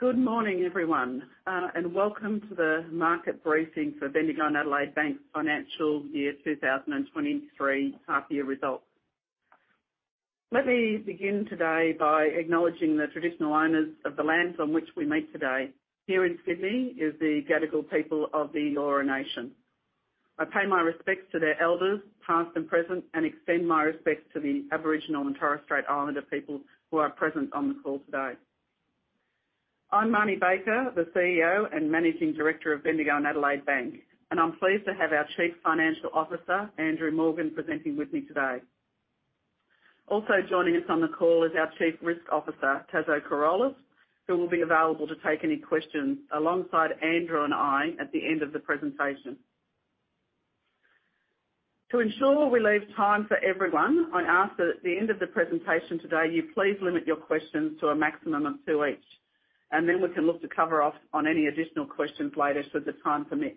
Good morning, everyone, welcome to the market briefing for Bendigo and Adelaide Bank financial year 2023 half year results. Let me begin today by acknowledging the traditional owners of the lands on which we meet today. Here in Sydney is the Gadigal people of the Eora nation. I pay my respects to their elders, past and present, and extend my respect to the Aboriginal and Torres Strait Islander people who are present on the call today. I'm Marnie Baker, the CEO and Managing Director of Bendigo and Adelaide Bank, and I'm pleased to have our Chief Financial Officer, Andrew Morgan, presenting with me today. Also joining us on the call is our Chief Risk Officer, Taso Corolis, who will be available to take any questions alongside Andrew and I at the end of the presentation. To ensure we leave time for everyone, I ask that at the end of the presentation today, you please limit your questions to a maximum of 2 each, and then we can look to cover off on any additional questions later should the time permit.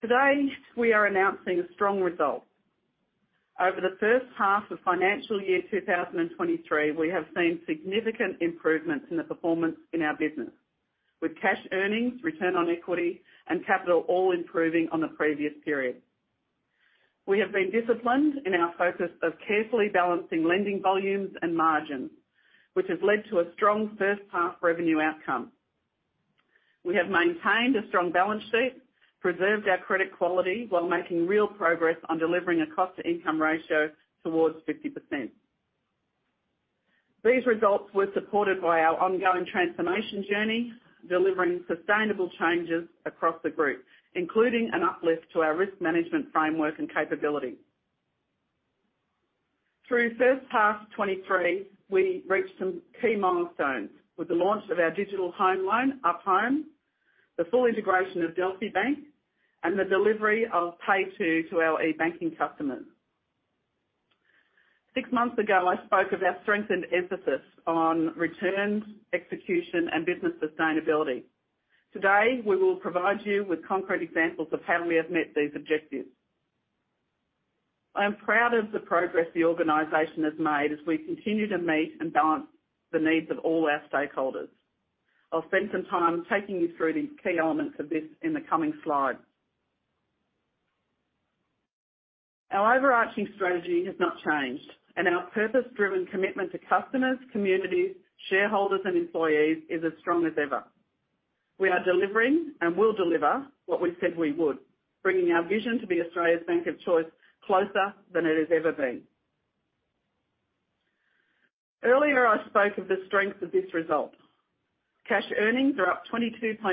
Today, we are announcing strong results. Over the first half of financial year 2023, we have seen significant improvements in the performance in our business with cash earnings, return on equity, and capital all improving on the previous period. We have been disciplined in our focus of carefully balancing lending volumes and margins, which has led to a strong first-half revenue outcome. We have maintained a strong balance sheet, preserved our credit quality while making real progress on delivering a cost-to-income ratio towards 50%. These results were supported by our ongoing transformation journey, delivering sustainable changes across the group, including an uplift to our risk management framework and capability. Through first half 2023, we reached some key milestones with the launch of our digital home loan, Up Home, the full integration of Delphi Bank, and the delivery of PayTo to our e-banking customers. Six months ago, I spoke of our strengthened emphasis on returns, execution, and business sustainability. Today, we will provide you with concrete examples of how we have met these objectives. I am proud of the progress the organization has made as we continue to meet and balance the needs of all our stakeholders. I'll spend some time taking you through the key elements of this in the coming slides. Our overarching strategy has not changed, and our purpose-driven commitment to customers, communities, shareholders, and employees is as strong as ever. We are delivering and will deliver what we said we would, bringing our vision to be Australia's bank of choice closer than it has ever been. Earlier, I spoke of the strength of this result. Cash earnings are up 22.9%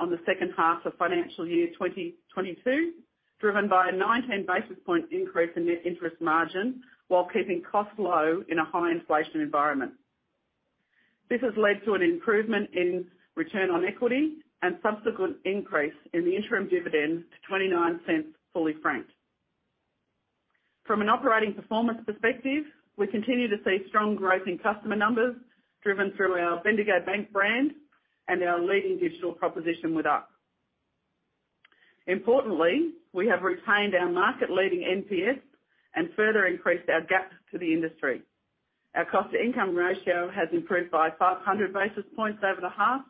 on the second half of financial year 2022, driven by a 19 basis point increase in net interest margin while keeping costs low in a high inflation environment. This has led to an improvement in return on equity and subsequent increase in the interim dividend to 0.29 fully franked. From an operating performance perspective, we continue to see strong growth in customer numbers driven through our Bendigo Bank brand and our leading digital proposition with Up. Importantly, we have retained our market leading NPS and further increased our gap to the industry. Our cost-to-income ratio has improved by 500 basis points over the half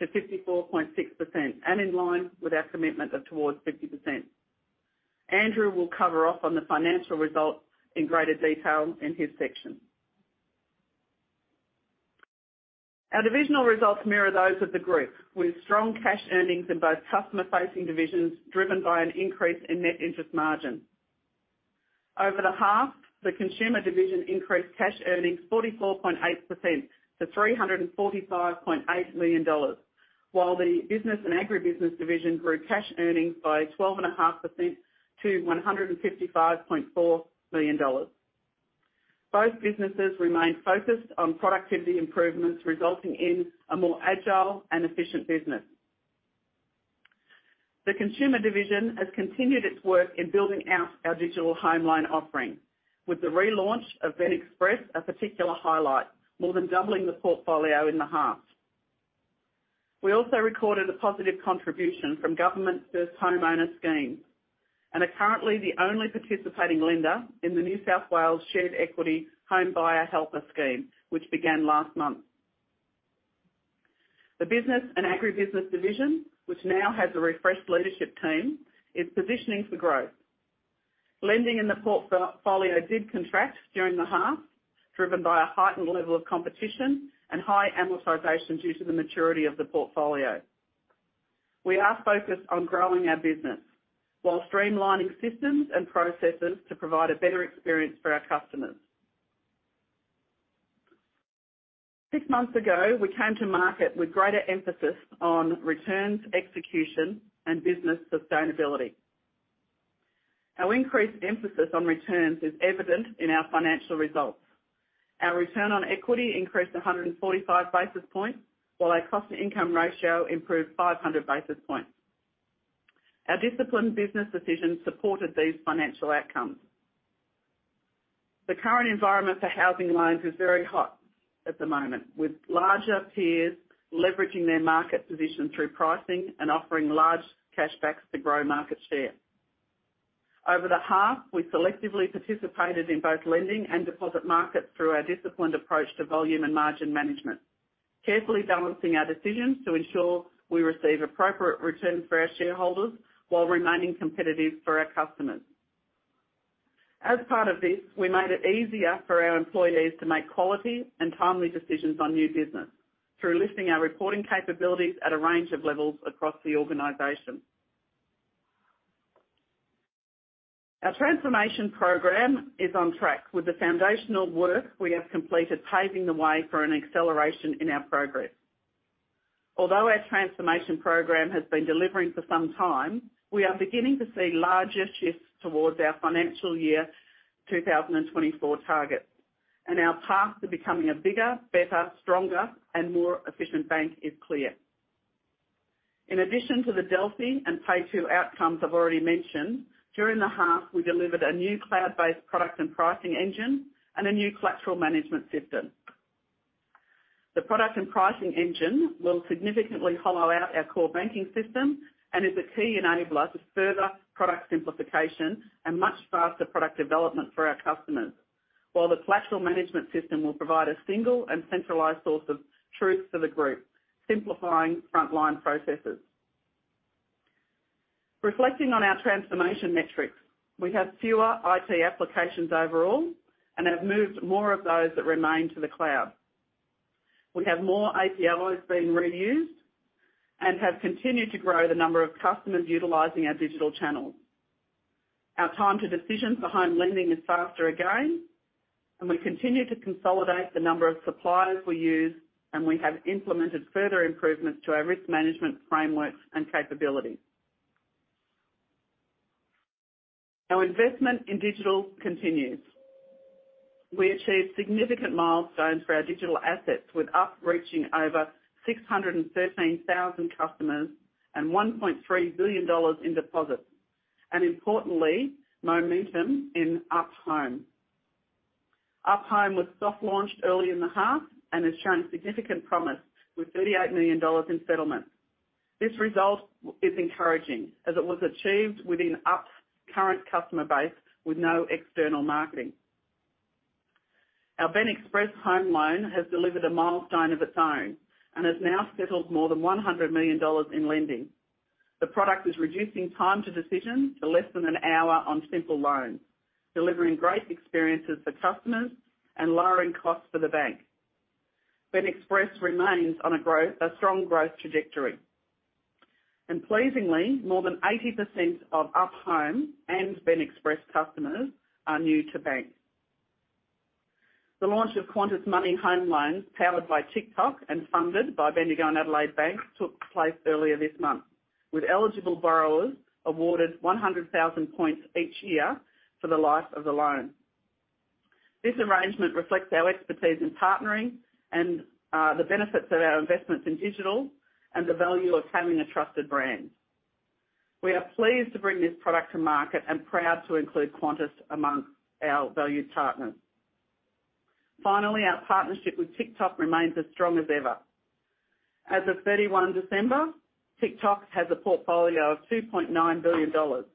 to 54.6% in line with our commitment of towards 50%. Andrew will cover off on the financial results in greater detail in his section. Our divisional results mirror those of the group with strong cash earnings in both customer-facing divisions, driven by an increase in net interest margin. Over the half, the consumer division increased cash earnings 44.8% to 345.8 million dollars, while the business and agribusiness division grew cash earnings by 12.5% to 155.4 million dollars. Both businesses remain focused on productivity improvements, resulting in a more agile and efficient business. The consumer division has continued its work in building out our digital home loan offering, with the relaunch of BEN Express a particular highlight, more than doubling the portfolio in the half. We also recorded a positive contribution from government first homeowner scheme and are currently the only participating lender in the New South Wales Shared Equity Home Buyer Helper scheme, which began last month. The business and agribusiness division, which now has a refreshed leadership team, is positioning for growth. Lending in the portfolio did contract during the half, driven by a heightened level of competition and high amortization due to the maturity of the portfolio. We are focused on growing our business while streamlining systems and processes to provide a better experience for our customers. Six months ago, we came to market with greater emphasis on returns, execution, and business sustainability. Our increased emphasis on returns is evident in our financial results. Our return on equity increased 145 basis points, while our cost-to-income ratio improved 500 basis points. Our disciplined business decisions supported these financial outcomes. The current environment for housing loans is very hot at the moment, with larger peers leveraging their market position through pricing and offering large cashbacks to grow market share. Over the half, we selectively participated in both lending and deposit markets through our disciplined approach to volume and margin management, carefully balancing our decisions to ensure we receive appropriate returns for our shareholders while remaining competitive for our customers. As part of this, we made it easier for our employees to make quality and timely decisions on new business through lifting our reporting capabilities at a range of levels across the organization. Our transformation program is on track with the foundational work we have completed, paving the way for an acceleration in our progress. Although our transformation program has been delivering for some time, we are beginning to see larger shifts towards our financial year 2024 targets, and our path to becoming a bigger, better, stronger, and more efficient bank is clear. In addition to the Delphi and PayTo outcomes I've already mentioned, during the half, we delivered a new cloud-based product and pricing engine and a new collateral management system. The product and pricing engine will significantly hollow out our core banking system and is a key enabler to further product simplification and much faster product development for our customers, while the collateral management system will provide a single and centralized source of truth for the group, simplifying frontline processes. Reflecting on our transformation metrics, we have fewer IT applications overall and have moved more of those that remain to the cloud. We have more ApIs being reused and have continued to grow the number of customers utilizing our digital channels. Our time to decisions behind lending is faster again, and we continue to consolidate the number of suppliers we use, and we have implemented further improvements to our risk management frameworks and capabilities. Our investment in digital continues. We achieved significant milestones for our digital assets, with Up reaching over 613,000 customers and 1.3 billion dollars in deposits, and importantly, momentum in Up Home. Up Home was soft-launched early in the half and has shown significant promise with AUD 38 million in settlements. This result is encouraging as it was achieved within Up's current customer base with no external marketing. Our BEN Express home loan has delivered a milestone of its own and has now settled more than 100 million dollars in lending. The product is reducing time to decision to less than an hour on simple loans, delivering great experiences for customers and lowering costs for the bank. BEN Express remains on a strong growth trajectory. Pleasingly, more than 80% of Up Home and BEN Express customers are new to bank. The launch of Qantas Money Home Loans, powered by Tic:Toc and funded by Bendigo and Adelaide Bank, took place earlier this month, with eligible borrowers awarded 100,000 points each year for the life of the loan. This arrangement reflects our expertise in partnering and the benefits of our investments in digital and the value of having a trusted brand. We are pleased to bring this product to market and proud to include Qantas amongst our valued partners. Finally, our partnership with Tic:Toc remains as strong as ever. As of 31 December, Tic:Toc has a portfolio of 2.9 billion dollars.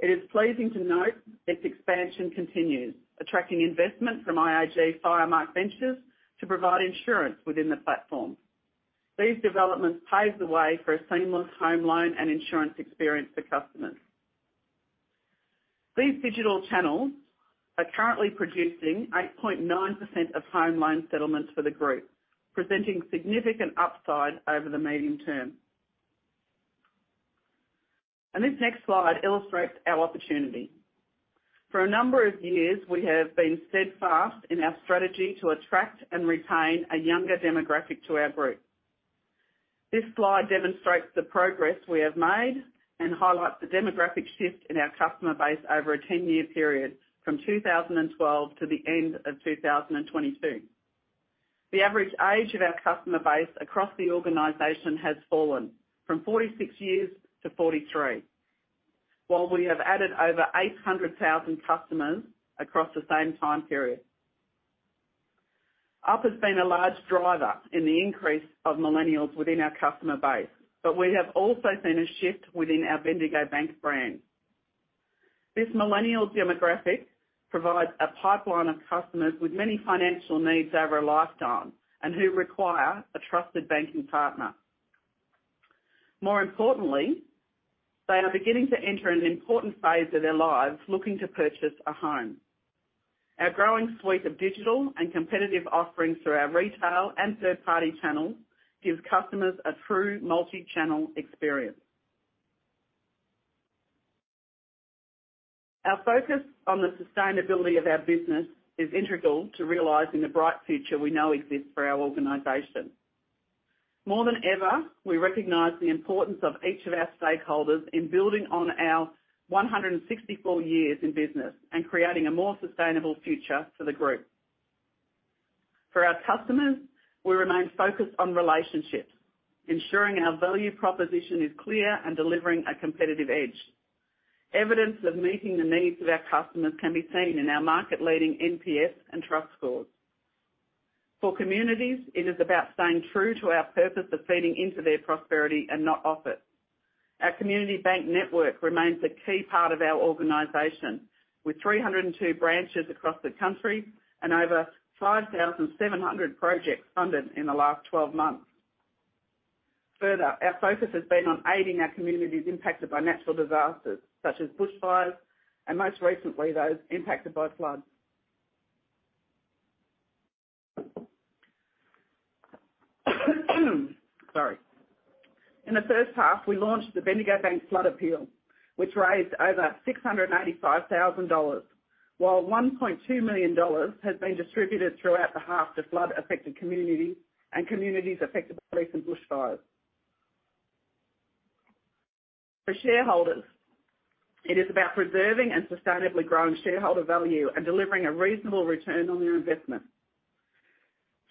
It is pleasing to note its expansion continues, attracting investment from IAG Firemark Ventures to provide insurance within the platform. These developments pave the way for a seamless home loan and insurance experience for customers. These digital channels are currently producing 8.9% of home loan settlements for the group, presenting significant upside over the medium term. This next slide illustrates our opportunity. For a number of years, we have been steadfast in our strategy to attract and retain a younger demographic to our group. This slide demonstrates the progress we have made and highlights the demographic shift in our customer base over a 10-year period from 2012 to the end of 2022. The average age of our customer base across the organization has fallen from 46 years to 43, while we have added over 800,000 customers across the same time period. Up has been a large driver in the increase of millennials within our customer base, but we have also seen a shift within our Bendigo Bank brand. This millennial demographic provides a pipeline of customers with many financial needs over a lifetime and who require a trusted banking partner. More importantly, they are beginning to enter an important phase of their lives looking to purchase a home. Our growing suite of digital and competitive offerings through our retail and third-party channels gives customers a true multi-channel experience. Our focus on the sustainability of our business is integral to realizing the bright future we know exists for our organization. More than ever, we recognize the importance of each of our stakeholders in building on our 164 years in business and creating a more sustainable future for the group. For our customers, we remain focused on relationships, ensuring our value proposition is clear and delivering a competitive edge. Evidence of meeting the needs of our customers can be seen in our market-leading NPS and trust scores. For communities, it is about staying true to our purpose of feeding into their prosperity and not off it. Our community bank network remains a key part of our organization, with 302 branches across the country and over 5,700 projects funded in the last 12 months. Our focus has been on aiding our communities impacted by natural disasters such as bushfires and most recently, those impacted by floods. Sorry. In the first half, we launched the Bendigo Bank Flood Appeal, which raised over 685,000 dollars, while 1.2 million dollars has been distributed throughout the half to flood-affected communities and communities affected by recent bushfires. For shareholders, it is about preserving and sustainably growing shareholder value and delivering a reasonable return on their investment.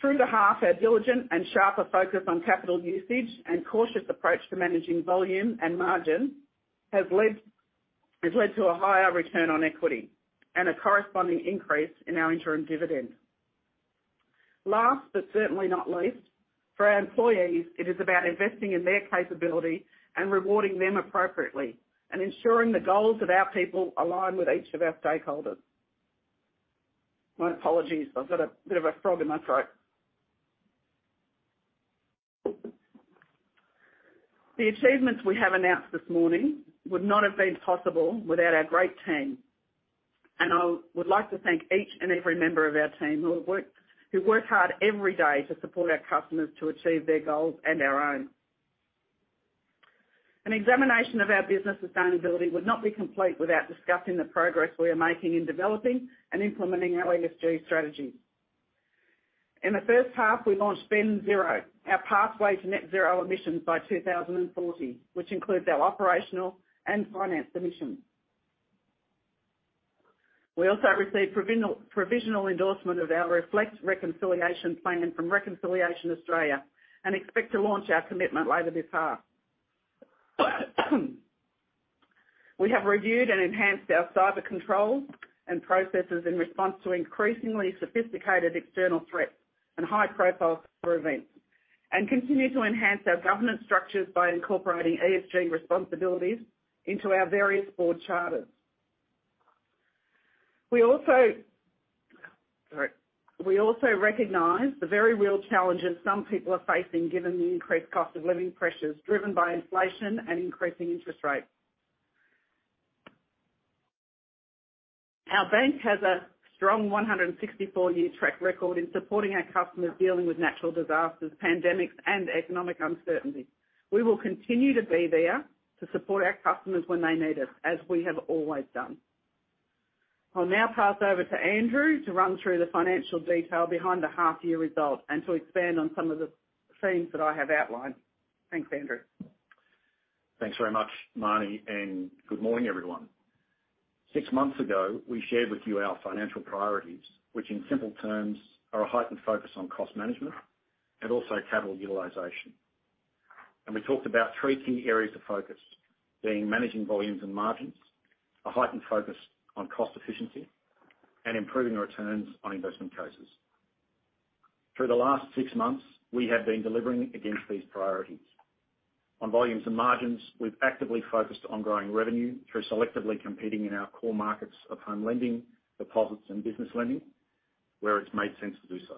Through the half, our diligent and sharper focus on capital usage and cautious approach to managing volume and margin has led to a higher return on equity and a corresponding increase in our interim dividend. Last but certainly not least, for our employees, it is about investing in their capability and rewarding them appropriately and ensuring the goals of our people align with each of our stakeholders. My apologies, I've got a bit of a frog in my throat. The achievements we have announced this morning would not have been possible without our great team, and I would like to thank each and every member of our team who work hard every day to support our customers to achieve their goals and our own. An examination of our business sustainability would not be complete without discussing the progress we are making in developing and implementing our ESG strategy. In the first half, we launched BEN Zero, our pathway to net zero emissions by 2040, which includes our operational and finance emissions. We also received provisional endorsement of our Reflect Reconciliation Plan from Reconciliation Australia and expect to launch our commitment later this half. We have reviewed and enhanced our cyber controls and processes in response to increasingly sophisticated external threats and high-profile events, continue to enhance our governance structures by incorporating ESG responsibilities into our various board charters. We also recognize the very real challenges some people are facing given the increased cost of living pressures driven by inflation and increasing interest rates. Our bank has a strong 164-year track record in supporting our customers dealing with natural disasters, pandemics and economic uncertainty. We will continue to be there to support our customers when they need us, as we have always done. I'll now pass over to Andrew to run through the financial detail behind the half year result and to expand on some of the themes that I have outlined. Thanks, Andrew. Thanks very much, Marnie. Good morning, everyone. Six months ago, we shared with you our financial priorities, which in simple terms, are a heightened focus on cost management and also capital utilization. We talked about three key areas of focus, being managing volumes and margins, a heightened focus on cost efficiency, and improving returns on investment cases. Through the last six months, we have been delivering against these priorities. On volumes and margins, we've actively focused on growing revenue through selectively competing in our core markets of home lending, deposits and business lending where it's made sense to do so.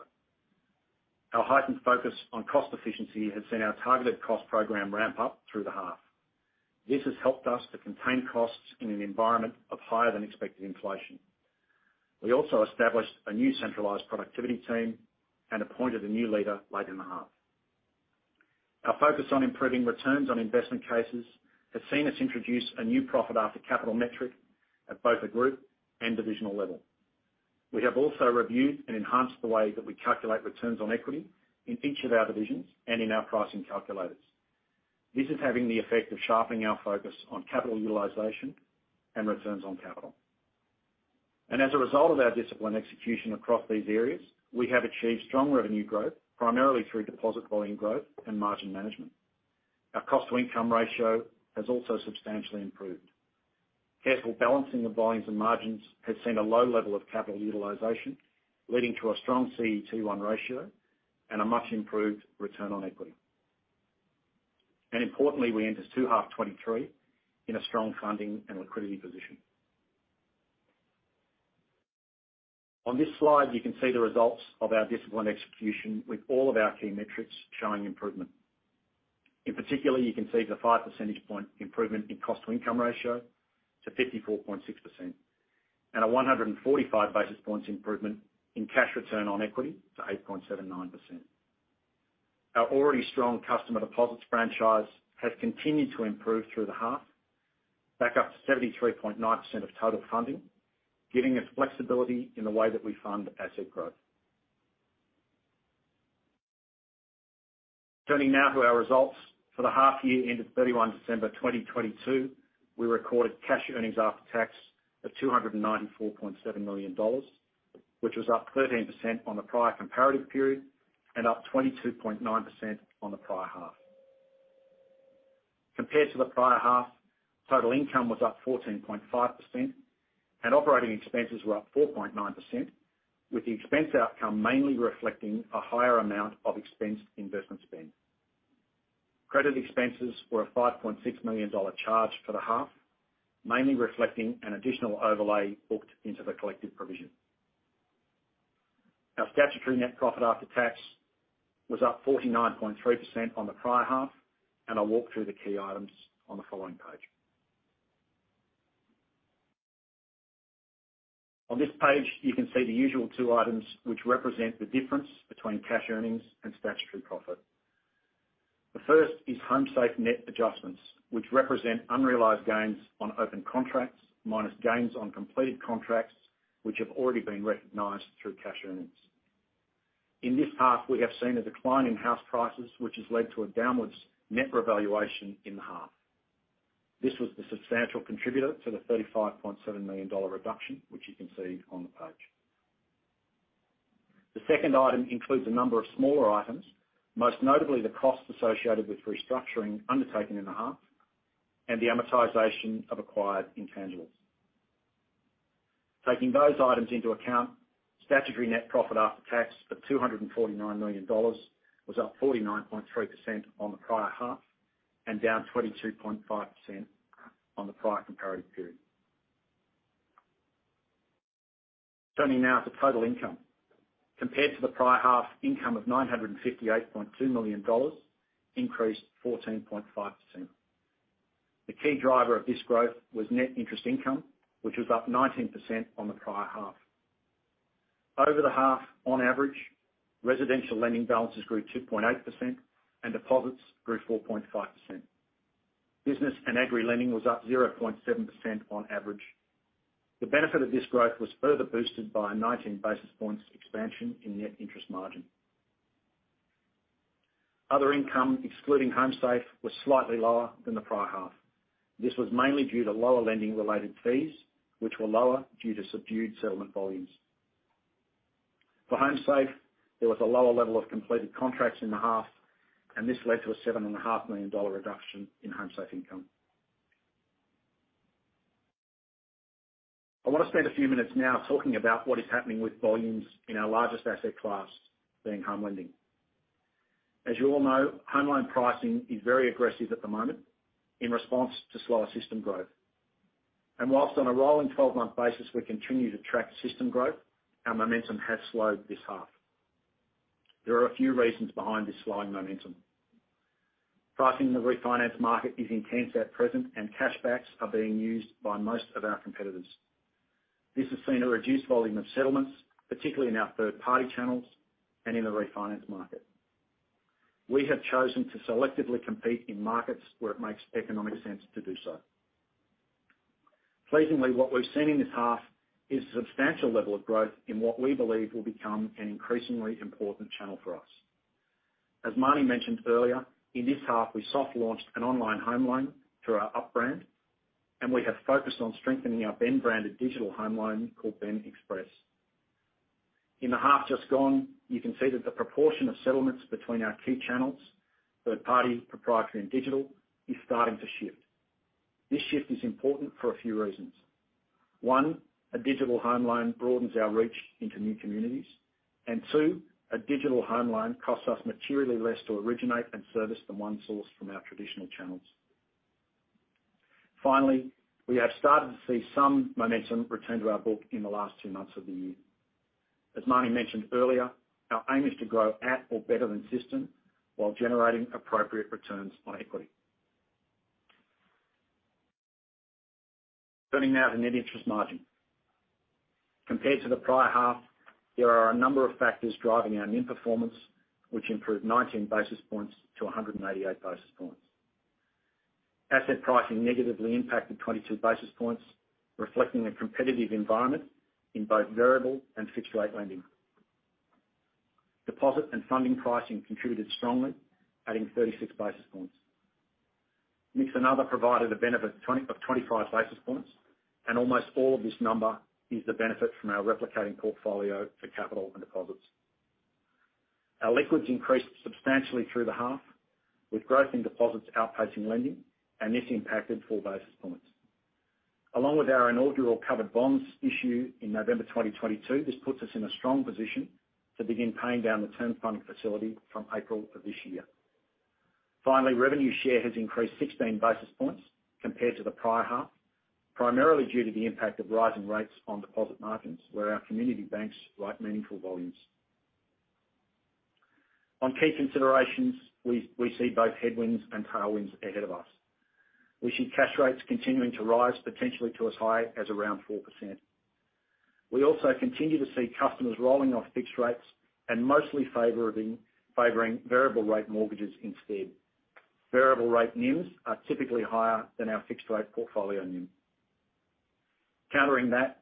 Our heightened focus on cost efficiency has seen our targeted cost program ramp up through the half. This has helped us to contain costs in an environment of higher than expected inflation. We also established a new centralized productivity team and appointed a new leader late in the half. Our focus on improving returns on investment cases has seen us introduce a new profit after capital metric at both a group and divisional level. We have also reviewed and enhanced the way that we calculate returns on equity in each of our divisions and in our pricing calculators. This is having the effect of sharpening our focus on capital utilization and returns on capital. As a result of our disciplined execution across these areas, we have achieved strong revenue growth, primarily through deposit volume growth and margin management. Our cost to income ratio has also substantially improved. Careful balancing of volumes and margins has seen a low level of capital utilization, leading to a strong CET1 ratio and a much improved return on equity. Importantly, we enter 2H 2023 in a strong funding and liquidity position. On this slide, you can see the results of our disciplined execution with all of our key metrics showing improvement. In particular, you can see the 5 percentage point improvement in cost to income ratio to 54.6% and a 145 basis points improvement in cash return on equity to 8.79%. Our already strong customer deposits franchise has continued to improve through the half, back up to 73.9% of total funding, giving us flexibility in the way that we fund asset growth. Turning now to our results. For the half year ended 31 December 2022, we recorded cash earnings after tax of 294.7 million dollars, which was up 13% on the prior comparative period and up 22.9% on the prior half. Compared to the prior half, total income was up 14.5% and operating expenses were up 4.9%, with the expense outcome mainly reflecting a higher amount of expense investment spend. Credit expenses were a 5.6 million dollar charge for the half, mainly reflecting an additional overlay booked into the collective provision. Our statutory net profit after tax was up 49.3% on the prior half, and I'll walk through the key items on the following page. On this page, you can see the usual two items which represent the difference between cash earnings and statutory profit. The first is Homesafe net adjustments, which represent unrealized gains on open contracts minus gains on completed contracts, which have already been recognized through cash earnings. In this half, we have seen a decline in house prices, which has led to a downwards net revaluation in the half. This was the substantial contributor to the 35.7 million dollar reduction, which you can see on the page. The second item includes a number of smaller items, most notably the costs associated with restructuring undertaken in the half and the amortization of acquired intangibeles. Taking those items into account, statutory net profit after tax of 249 million dollars was up 49.3% on the prior half and down 22.5% on the prior comparative period. Turning now to total income. Compared to the prior half, income of 958.2 million dollars increased 14.5%. The key driver of this growth was net interest income, which was up 19% on the prior half. Over the half, on average, residential lending balances grew 2.8% and deposits grew 4.5%. Business and agri-lending was up 0.7% on average. The benefit of this growth was further boosted by a 19 basis points expansion in net interest margin. Other income, excluding Homesafe, was slightly lower than the prior half. This was mainly due to lower lending related fees, which were lower due to subdued settlement volumes. For Homesafe, there was a lower level of completed contracts in the half, and this led to a seven and a half million dollar reduction in Homesafe income. I want to spend a few minutes now talking about what is happening with volumes in our largest asset class, being home lending. Whilst on a rolling 12-month basis, we continue to track system growth, our momentum has slowed this half. There are a few reasons behind this slowing momentum. Pricing in the refinance market is intense at present, and cashbacks are being used by most of our competitors. This has seen a reduced volume of settlements, particularly in our third-party channels and in the refinance market. We have chosen to selectively compete in markets where it makes economic sense to do so. Pleasingly, what we've seen in this half is a substantial level of growth in what we believe will become an increasingly important channel for us. As Marnie mentioned earlier, in this half, we soft launched an online home loan through our Up brand. We have focused on strengthening our Bend branded digital home loan called Bend Express. In the half just gone, you can see that the proportion of settlements between our key channels, third party, proprietary, and digital, is starting to shift. This shift is important for a few reasons. One, a digital home loan broadens our reach into new communities. Two, a digital home loan costs us materially less to originate and service than one sourced from our traditional channels. Finally, we have started to see some momentum return to our book in the last two months of the year. As Marnie mentioned earlier, our aim is to grow at or better than system while generating appropriate returns on equity. Turning now to net interest margin. Compared to the prior half, there are a number of factors driving our NIM performance, which improved 19 basis points to 188 basis points. Asset pricing negatively impacted 22 basis points, reflecting a competitive environment in both variable and fixed rate lending. Deposit and funding pricing contributed strongly, adding 36 basis points. Mix and other provided a benefit of 25 basis points. Almost all of this number is the benefit from our replicating portfolio for capital and deposits. Our liquids increased substantially through the half, with growth in deposits outpacing lending. This impacted 4 basis points. Along with our inaugural covered bonds issue in November 2022, this puts us in a strong position to begin paying down the Term Funding Facility from April of this year. Finally, revenue share has increased 16 basis points compared to the prior half, primarily due to the impact of rising rates on deposit margins where our community banks write meaningful volumes. On key considerations, we see both headwinds and tailwinds ahead of us. We see cash rates continuing to rise, potentially to as high as around 4%. We also continue to see customers rolling off fixed rates and mostly favoring variable rate mortgages instead. Variable rate NIMs are typically higher than our fixed rate portfolio NIM. Countering that,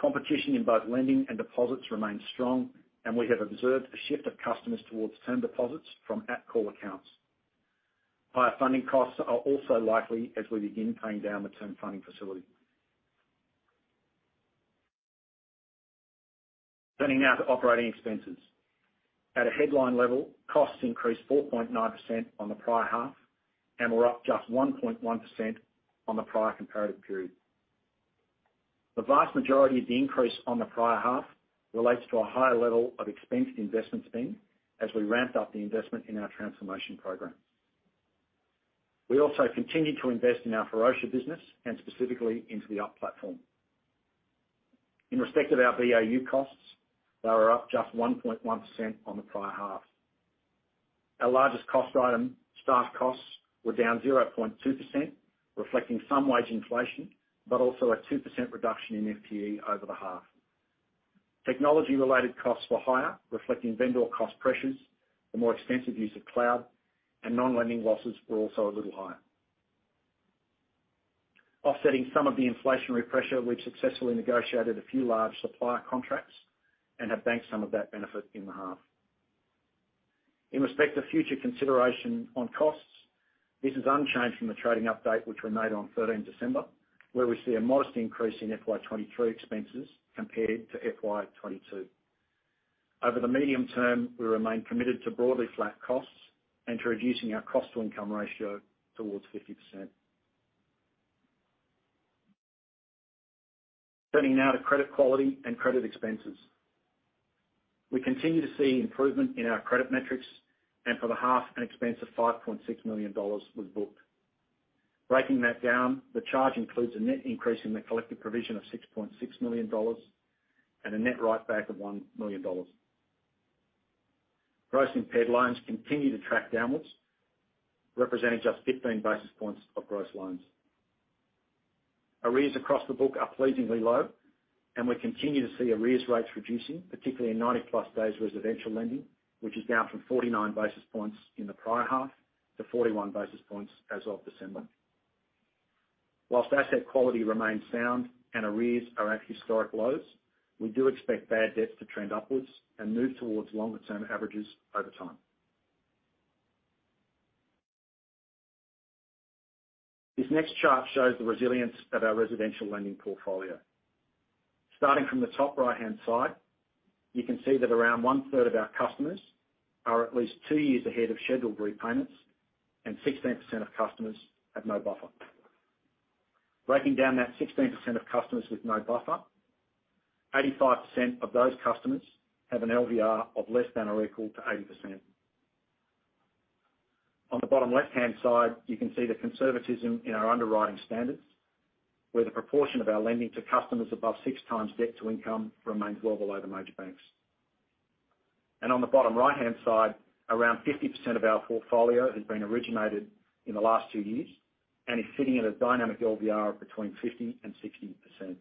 competition in both lending and deposits remains strong, and we have observed a shift of customers towards term deposits from at-call accounts. Higher funding costs are also likely as we begin paying down the Term Funding Facility. Turning now to operating expenses. At a headline level, costs increased 4.9% on the prior half and were up just 1.1% on the prior comparative period. The vast majority of the increase on the prior half relates to a higher level of expense investment spend as we ramped up the investment in our transformation program. We also continued to invest in our Ferocia business and specifically into the Up platform. In respect of our BAU costs, they were up just 1.1% on the prior half. Our largest cost item, staff costs, were down 0.2%, reflecting some wage inflation, but also a 2% reduction in FTE over the half. Technology related costs were higher, reflecting vendor cost pressures, the more expensive use of cloud, and non-lending losses were also a little higher. Offsetting some of the inflationary pressure, we've successfully negotiated a few large supplier contracts and have banked some of that benefit in the half. In respect to future consideration on costs, this is unchanged from the trading update, which we made on 13th December, where we see a modest increase in FY 2023 expenses compared to FY 2022. Over the medium term, we remain committed to broadly flat costs and to reducing our cost to income ratio towards 50%. Turning now to credit quality and credit expenses. We continue to see improvement in our credit metrics, and for the half, an expense of 5.6 million dollars was booked. Breaking that down, the charge includes a net increase in the collective provision of 6.6 million dollars and a net write back of 1 million dollars. Gross impaired loans continue to track downwards, representing just 15 basis points of gross loans. Arrears across the book are pleasingly low, and we continue to see arrears rates reducing, particularly in 90+ days residential lending, which is down from 49 basis points in the prior half to 41 basis points as of December. Whilst asset quality remains sound and arrears are at historic lows, we do expect bad debts to trend upwards and move towards longer term averages over time. This next chart shows the resilience of our residential lending portfolio. Starting from the top right-hand side, you can see that around one-third of our customers are at least two years ahead of scheduled repayments and 16% of customers have no buffer. Breaking down that 16% of customers with no buffer, 85% of those customers have an LVR of less than or equal to 80%. On the bottom left-hand side, you can see the conservatism in our underwriting standards, where the proportion of our lending to customers above 6x debt-to-income remains well below the major banks. On the bottom right-hand side, around 50% of our portfolio has been originated in the last two years and is sitting at a dynamic LVR of between 50% and 60%.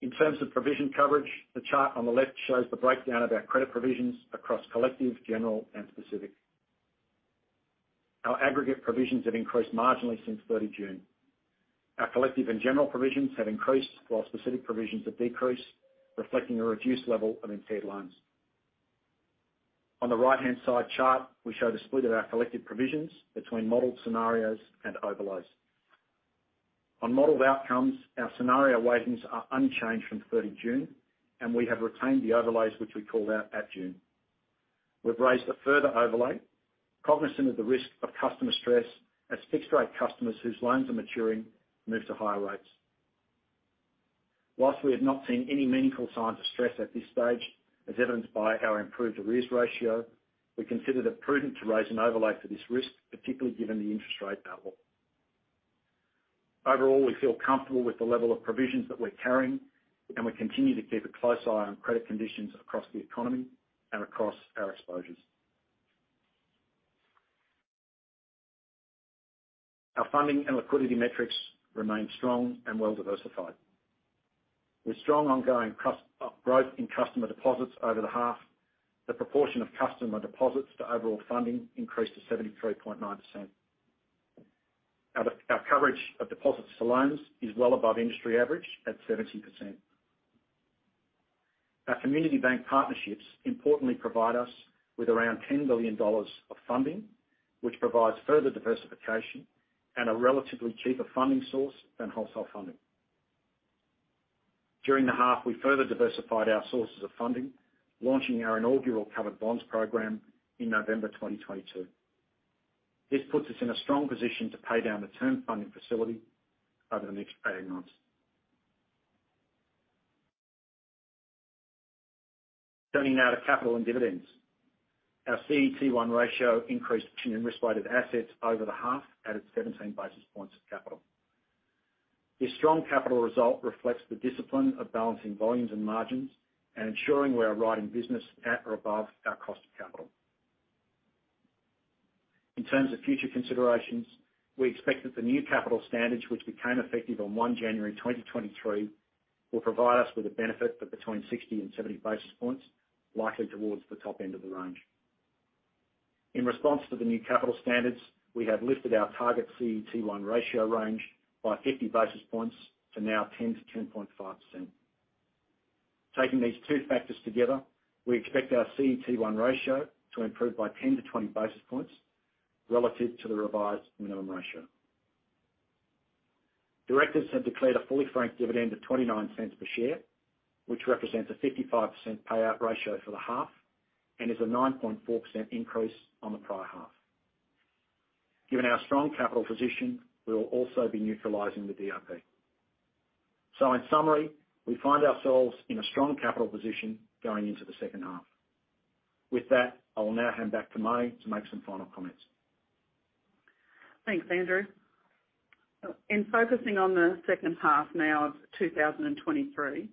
In terms of provision coverage, the chart on the left shows the breakdown of our credit provisions across collective, general, and specific. Our aggregate provisions have increased marginally since 30 June. Our collective and general provisions have increased while specific provisions have decreased, reflecting a reduced level of impaired loans. On the right-hand side chart, we show the split of our collective provisions between modeled scenarios and overlays. On modeled outcomes, our scenario weightings are unchanged from 30 June, and we have retained the overlays, which we called out at June. We've raised a further overlay, cognizant of the risk of customer stress as fixed-rate customers whose loans are maturing move to higher rates. Whilst we have not seen any meaningful signs of stress at this stage, as evidenced by our improved arrears ratio, we consider it prudent to raise an overlay for this risk, particularly given the interest rate outlook. Overall, we feel comfortable with the level of provisions that we're carrying, and we continue to keep a close eye on credit conditions across the economy and across our exposures. Our funding and liquidity metrics remain strong and well diversified. With strong ongoing growth in customer deposits over the half, the proportion of customer deposits to overall funding increased to 73.9%. Our coverage of deposits to loans is well above industry average at 70%. Our community bank partnerships importantly provide us with around 10 billion dollars of funding, which provides further diversification and a relatively cheaper funding source than wholesale funding. During the half, we further diversified our sources of funding, launching our inaugural covered bonds program in November 2022. This puts us in a strong position to pay down the Term Funding Facility over the next 18 months. Turning now to capital and dividends. Our CET1 ratio increased return on risk-weighted assets over the half at its 17 basis points of capital. This strong capital result reflects the discipline of balancing volumes and margins and ensuring we are riding business at or above our cost of capital. In terms of future considerations, we expect that the new capital standards, which became effective on January 1, 2023, will provide us with a benefit of between 60 and 70 basis points, likely towards the top end of the range. In response to the new capital standards, we have lifted our target CET1 ratio range by 50 basis points to now 10%-10.5%. Taking these two factors together, we expect our CET1 ratio to improve by 10 basis points-20 basis points relative to the revised minimum ratio. Directors have declared a fully franked dividend of 0.29 per share, which represents a 55% payout ratio for the half and is a 9.4% increase on the prior half. Given our strong capital position, we will also be neutralizing the DRP. In summary, we find ourselves in a strong capital position going into the second half. With that, I will now hand back to Marnie to make some final comments. Thanks, Andrew. In focusing on the second half now of 2023,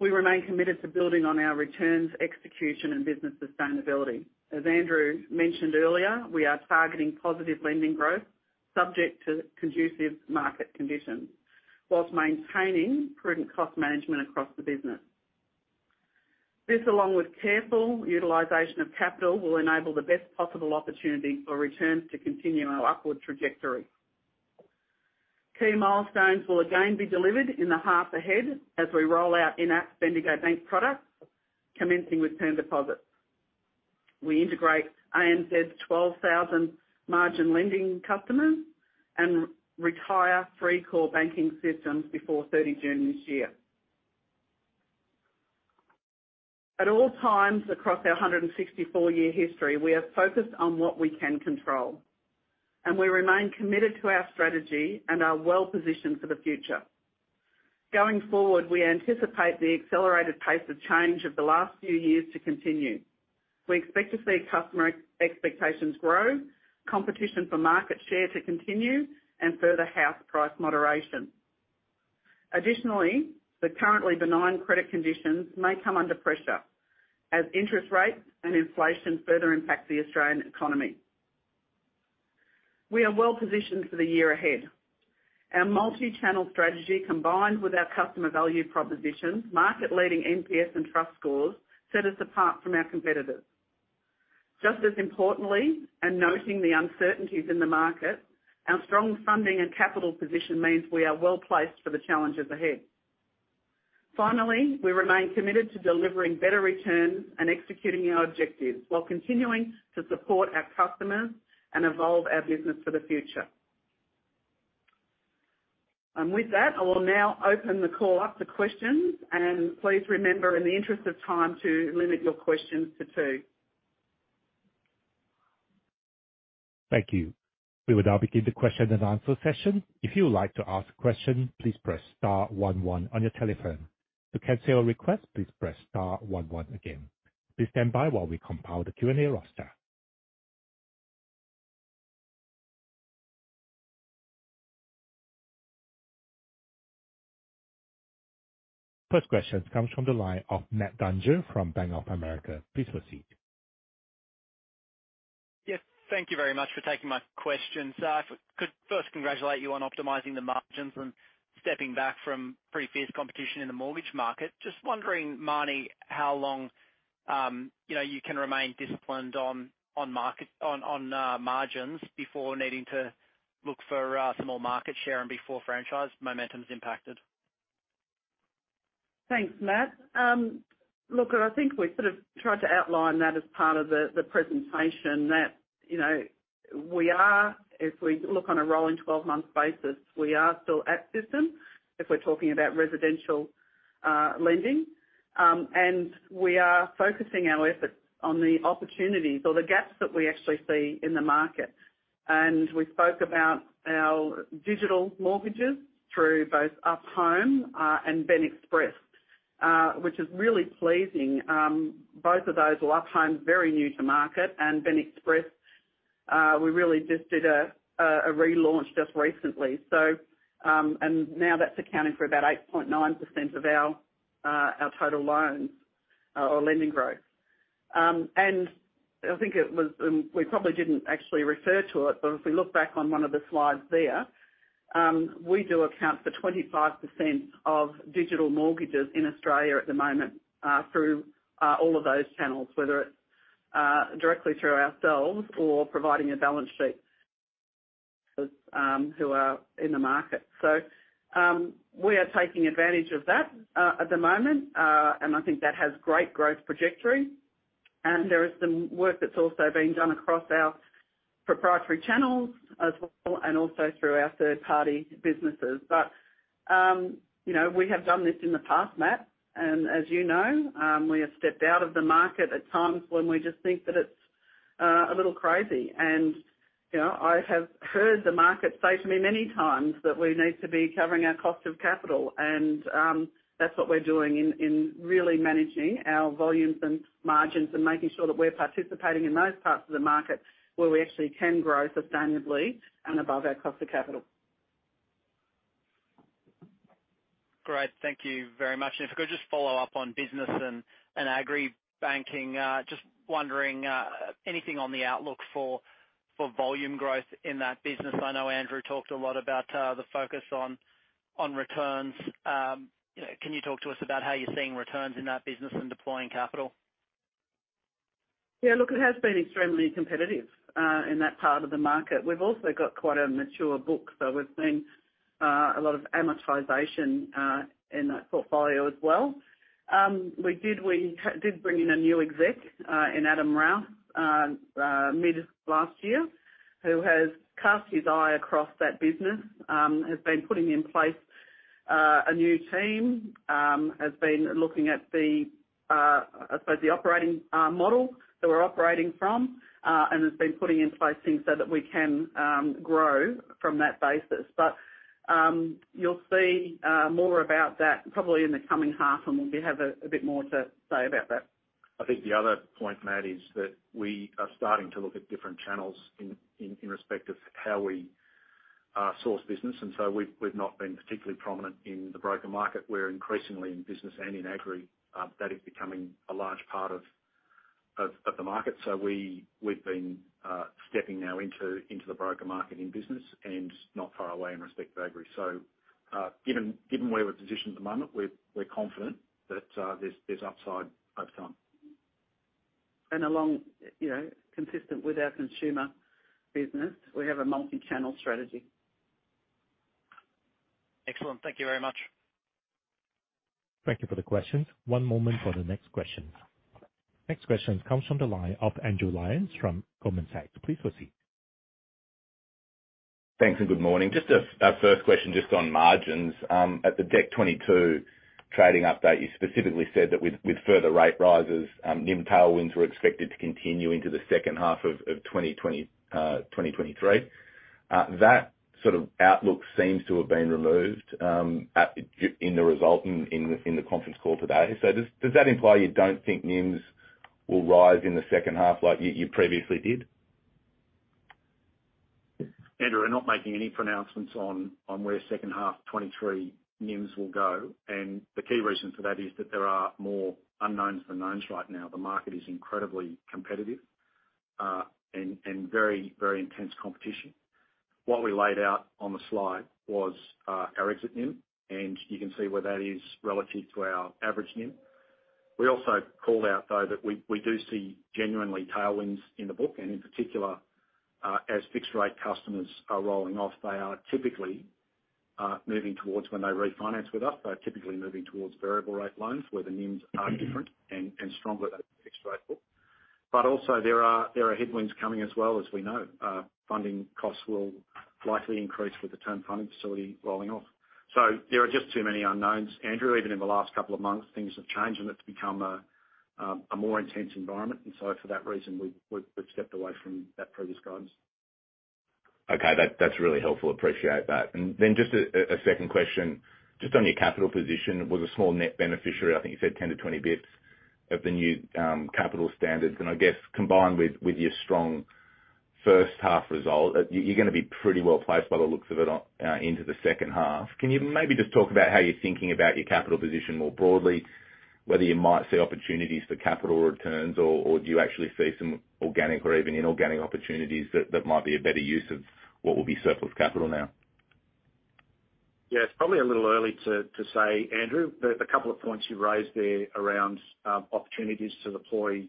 we remain committed to building on our returns, execution, and business sustainability. As Andrew mentioned earlier, we are targeting positive lending growth subject to conducive market conditions, while maintaining prudent cost management across the business. This, along with careful utilization of capital, will enable the best possible opportunity for returns to continue our upward trajectory. Key milestones will again be delivered in the half ahead as we roll out in-house Bendigo Bank products, commencing with term deposits. We integrate ANZ's 12,000 margin lending customers and retire three core banking systems before 30 June this year. At all times across our 164 year history, we are focused on what we can control, and we remain committed to our strategy and are well-positioned for the future. Going forward, we anticipate the accelerated pace of change of the last few years to continue. We expect to see customer expectations grow, competition for market share to continue, and further house price moderation. Additionally, the currently benign credit conditions may come under pressure as interest rates and inflation further impact the Australian economy. We are well positioned for the year ahead. Our multi-channel strategy, combined with our customer value propositions, market-leading NPS and trust scores, set us apart from our competitors. Just as importantly, and noting the uncertainties in the market, our strong funding and capital position means we are well-placed for the challenges ahead. Finally, we remain committed to delivering better returns and executing our objectives while continuing to support our customers and evolve our business for the future. With that, I will now open the call up to questions. Please remember, in the interest of time, to limit your questions to two. Thank you. We will now begin the question and answer session. If you would like to ask a question, please press star one one on your telephone. To cancel a request, please press star one one again. Please stand by while we compile the Q&A roster. First question comes from the line of Matt Dunger from Bank of America. Please proceed. Yes, thank you very much for taking my questions. If I could first congratulate you on optimizing the margins and stepping back from pretty fierce competition in the mortgage market. Just wondering, Marnie, how long, you know, you can remain disciplined on margins before needing to look for some more market share and before franchise momentum is impacted. Thanks, Matt. Look, I think we sort of tried to outline that as part of the presentation that, you know, we are, if we look on a rolling 12-month basis, we are still at systems, if we're talking about residential lending. We are focusing our efforts on the opportunities or the gaps that we actually see in the market. We spoke about our digital mortgages through both Up Home and BEN Express, which is really pleasing. Both of those, Well, Up Home, very new to market, and BEN Express, we really just did a relaunch just recently. Now that's accounting for about 8.9% of our total loans or lending growth. I think We probably didn't actually refer to it, but if we look back on one of the slides there, we do account for 25% of digital mortgages in Australia at the moment, through all of those channels, whether it's directly through ourselves or providing a balance sheet, who are in the market. We are taking advantage of that at the moment, and I think that has great growth trajectory. There is some work that's also being done across our proprietary channels as well, and also through our third-party businesses. You know, we have done this in the past, Matt, and as you know, we have stepped out of the market at times when we just think that it's a little crazy. You know, I have heard the market say to me many times that we need to be covering our cost of capital. That's what we're doing in really managing our volumes and margins and making sure that we're participating in those parts of the market where we actually can grow sustainably and above our cost of capital. Great. Thank you very much. If I could just follow up on business and agri banking, just wondering anything on the outlook for volume growth in that business? I know Andrew talked a lot about the focus on returns. Can you talk to us about how you're seeing returns in that business and deploying capital? Yeah, look, it has been extremely competitive in that part of the market. We've also got quite a mature book, so we've seen a lot of amortization in that portfolio as well. We did bring in a new exec in Adam Routh mid last year, who has cast his eye across that business, has been putting in place a new team, has been looking at the, I suppose, the operating model that we're operating from, and has been putting in place things so that we can grow from that basis. You'll see more about that probably in the coming half, and we'll have a bit more to say about that. I think the other point, Matt, is that we are starting to look at different channels in respect of how we source business. We've not been particularly prominent in the broker market. We're increasingly in business and in agri, that is becoming a large part of the market. We've been stepping now into the broker market in business and not far away in respect to agri. Given where we're positioned at the moment, we're confident that there's upside over time. Along, you know, consistent with our consumer business, we have a multi-channel strategy. Excellent. Thank you very much. Thank you for the questions. One moment for the next question. Next question comes from the line of Andrew Lyons from Goldman Sachs. Please proceed. Thanks. Good morning. Just a first question just on margins. At the Dec 2022 trading update, you specifically said that with further rate rises, NIM tailwinds were expected to continue into the second half of 2023. That sort of outlook seems to have been removed at in the result in the conference call today. Does that imply you don't think NIMs will rise in the second half like you previously did? Andrew, we're not making any pronouncements on where second half 2023 NIMs will go. The key reason for that is that there are more unknowns than knowns right now. The market is incredibly competitive, and very, very intense competition. What we laid out on the slide was our exit NIM, and you can see where that is relative to our average NIM. We also called out, though, that we do see genuinely tailwinds in the book, and in particular, as fixed rate customers are rolling off, they are typically moving towards when they refinance with us. They're typically moving towards variable rate loans where the NIMs are different and stronger than fixed rate book. Also there are, there are headwinds coming as well. As we know, funding costs will likely increase with the Term Funding Facility rolling off. There are just too many unknowns, Andrew. Even in the last couple of months, things have changed, and it's become a more intense environment. For that reason, we've stepped away from that previous guidance. Okay. That's really helpful. Appreciate that. Just a second question, just on your capital position. It was a small net beneficiary, I think you said 10 basis points-20 basis points of the new capital standards. I guess combined with your strong first half result, you're gonna be pretty well placed by the looks of it into the second half. Can you maybe just talk about how you're thinking about your capital position more broadly, whether you might see opportunities for capital returns or do you actually see some organic or even inorganic opportunities that might be a better use of what will be surplus capital now? Yeah, it's probably a little early to say, Andrew, but a couple of points you raised there around opportunities to deploy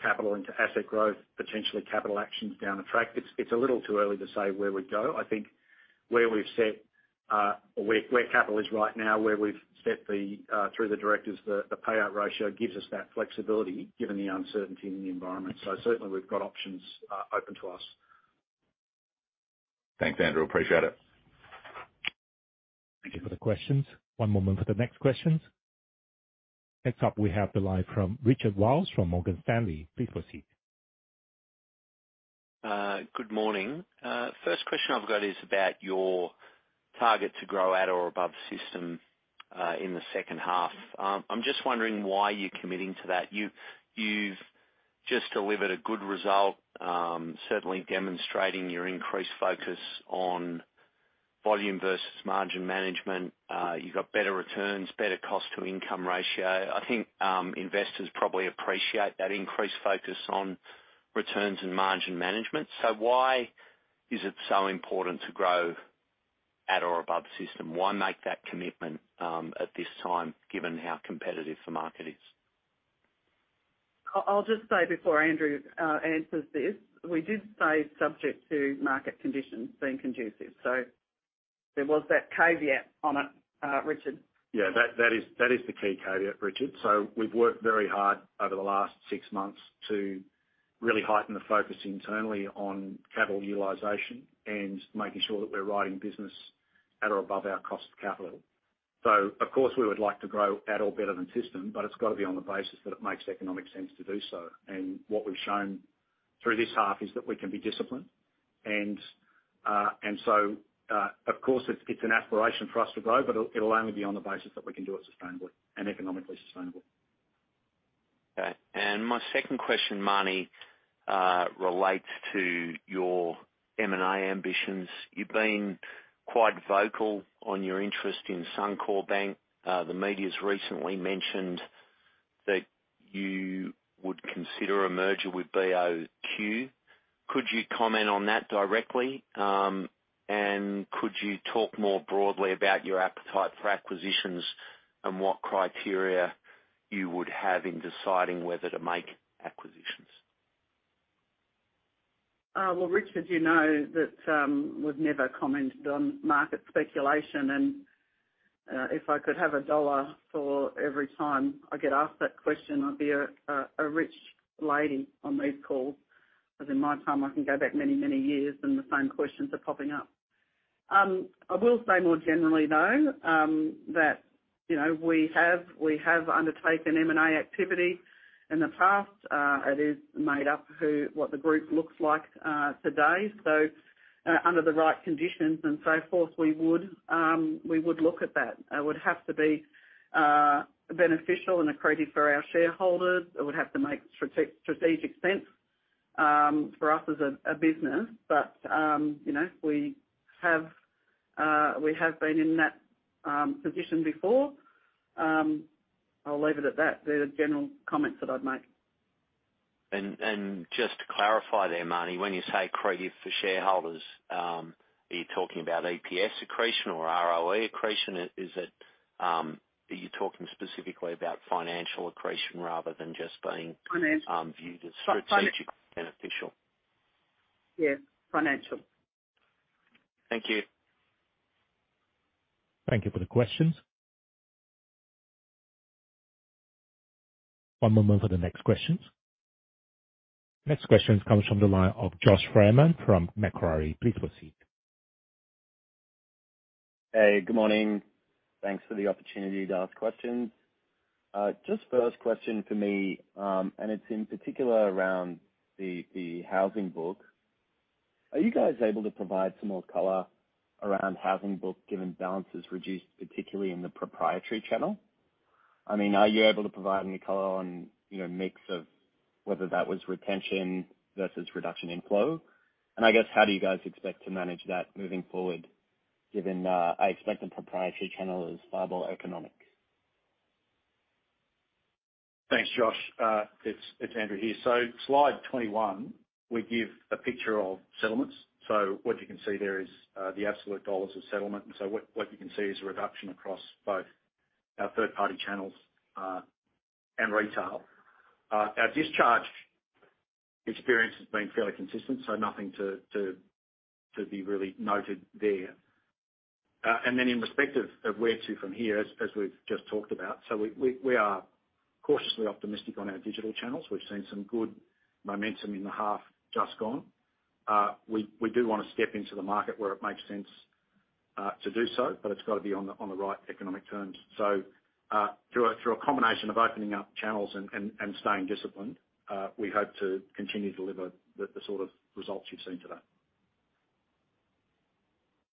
capital into asset growth, potentially capital actions down the track. It's a little too early to say where we'd go. I think where we've set, or where capital is right now, where we've set the through the directors, the payout ratio gives us that flexibility given the uncertainty in the environment. Certainly we've got options open to us. Thanks, Andrew. Appreciate it. Thank you for the questions. One moment for the next questions. Next up, we have the line from Richard Wiles from Morgan Stanley. Please proceed. Good morning. First question I've got is about your target to grow at or above system in the second half. I'm just wondering why you're committing to that. You've just delivered a good result, certainly demonstrating your increased focus on volume versus margin management. You've got better returns, better cost to income ratio. I think investors probably appreciate that increased focus on returns and margin management. Why is it so important to grow at or above system? Why make that commitment at this time, given how competitive the market is? I'll just say before Andrew answers this, we did say subject to market conditions being conducive, so there was that caveat on it, Richard. Yeah. That is the key caveat, Richard. We've worked very hard over the last six months to really heighten the focus internally on capital utilization and making sure that we're writing business at or above our cost of capital. Of course we would like to grow at or better than system, but it's gotta be on the basis that it makes economic sense to do so. What we've shown through this half is that we can be disciplined. Of course it's an aspiration for us to grow, but it'll only be on the basis that we can do it sustainably and economically sustainable. Okay. My second question, Marnie, relates to your M&A ambitions. You've been quite vocal on your interest in Suncorp Bank. The media's recently mentioned that you would consider a merger with BOQ. Could you comment on that directly, and could you talk more broadly about your appetite for acquisitions and what criteria you would have in deciding whether to make acquisitions? Well, Richard, you know that we've never commented on market speculation. If I could have $1 for every time I get asked that question, I'd be a rich lady on these calls 'cause in my time, I can go back many, many years, and the same questions are popping up. I will say more generally, though, you know, we have undertaken M&A activity in the past. It is made up who, what the group looks like today. Under the right conditions and so forth, we would look at that. It would have to be beneficial and accretive for our shareholders. It would have to make strategic sense for us as a business. You know, we have been in that position before. I'll leave it at that. They're the general comments that I'd make. Just to clarify there, Marnie, when you say accretive for shareholders, are you talking about EPS accretion or ROE accretion? Is it... Are you talking specifically about financial accretion rather than just being- Financial viewed as strategically beneficial? Yes, financial. Thank you. Thank you for the questions. One moment for the next questions. Next question comes from the line of Josh Freeman from Macquarie. Please proceed. Hey, good morning. Thanks for the opportunity to ask questions. Just first question for me, it's in particular around the housing book. Are you guys able to provide some more color around housing book-given balances reduced, particularly in the proprietary channel? I mean, are you able to provide any color on, you know, mix of whether that was retention versus reduction in flow? I guess, how do you guys expect to manage that moving forward, given I expect the proprietary channel is far more economic. Thanks, Josh Freeman. It's Andrew Morgan here. Slide 21, we give a picture of settlements. What you can see there is the absolute AUD of settlement. What you can see is a reduction across both our third-party channels and retail. Our discharge experience has been fairly consistent, nothing to be really noted there. In respect of where to from here, as we've just talked about, we are cautiously optimistic on our digital channels. We've seen some good momentum in the half just gone. We do wanna step into the market where it makes sense to do so, but it's gotta be on the right economic terms. Through a combination of opening up channels and staying disciplined, we hope to continue to deliver the sort of results you've seen today.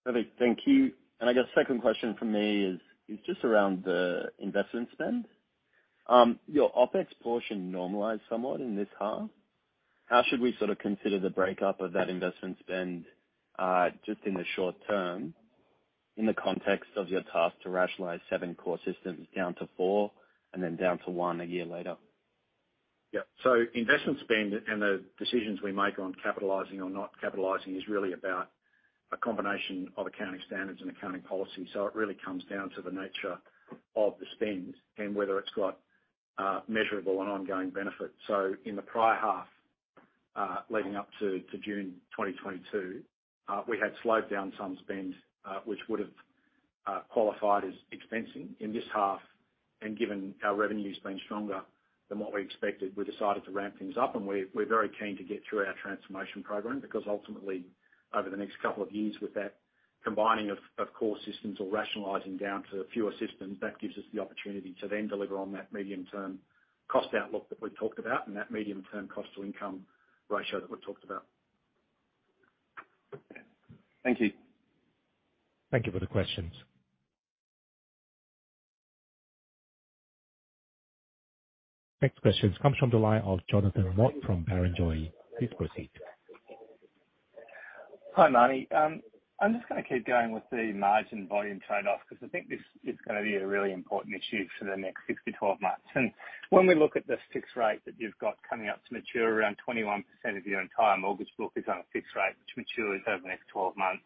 Perfect. Thank you. I guess second question from me is just around the investment spend. Your OpEx portion normalized somewhat in this half. How should we sort of consider the breakup of that investment spend, just in the short term, in the context of your task to rationalize seven core systems down to four and then down to one a year later? Investment spend and the decisions we make on capitalizing or not capitalizing is really about a combination of accounting standards and accounting policy. It really comes down to the nature of the spend and whether it's got measurable and ongoing benefit. In the prior half, leading up to June 2022, we had slowed down some spend, which would've qualified as expensing in this half. Given our revenue's been stronger than what we expected, we decided to ramp things up and we're very keen to get through our transformation program, because ultimately, over the next couple of years with that combining of core systems or rationalizing down to fewer systems, that gives us the opportunity to then deliver on that medium-term cost outlook that we've talked about and that medium-term cost to income ratio that we've talked about. Thank you. Thank you for the questions. Next questions comes from the line of Jonathan Mott from Barrenjoey. Please proceed. Hi, Marnie. I'm just gonna keep going with the margin volume trade-off, because I think this is gonna be a really important issue for the next 6 months-12 months. When we look at the fixed rate that you've got coming up to mature, around 21% of your entire mortgage book is on a fixed rate, which matures over the next 12 months.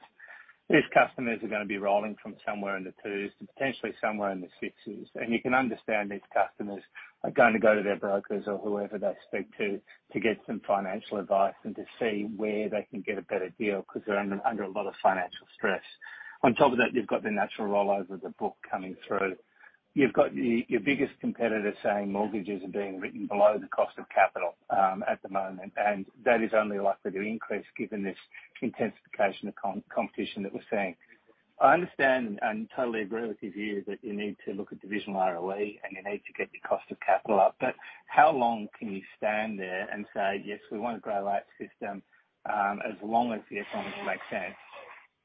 These customers are gonna be rolling from somewhere in the twos to potentially somewhere in the sixes. You can understand these customers are going to go to their brokers or whoever they speak to get some financial advice and to see where they can get a better deal, because they're under a lot of financial stress. On top of that, you've got the natural rollover of the book coming through. You've got your biggest competitor saying mortgages are being written below the cost of capital at the moment, and that is only likely to increase given this intensification of competition that we're seeing. I understand and totally agree with you here that you need to look at divisional ROE and you need to get your cost of capital up. How long can you stand there and say, "Yes, we want a gray light system, as long as the economics make sense"?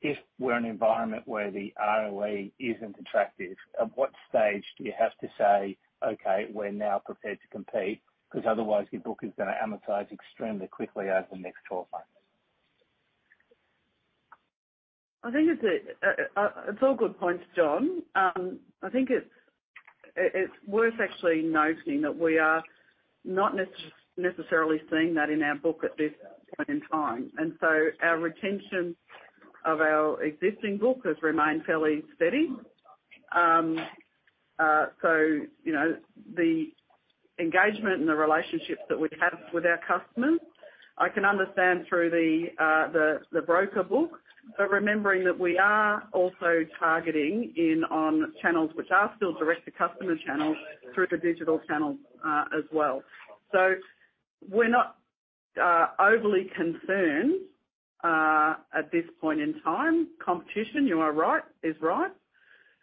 If we're in an environment where the ROE isn't attractive, at what stage do you have to say, "Okay, we're now prepared to compete," because otherwise your book is gonna amortize extremely quickly over the next 12 months? I think it's all good points, Jonathan Mott. I think it's worth actually noting that we are not necessarily seeing that in our book at this point in time. Our retention of our existing book has remained fairly steady. You know, the engagement and the relationships that we have with our customers, I can understand through the broker book, but remembering that we are also targeting in on channels which are still direct-to-customer channels through the digital channels as well. We're not overly concerned at this point in time. Competition, you are right, is right.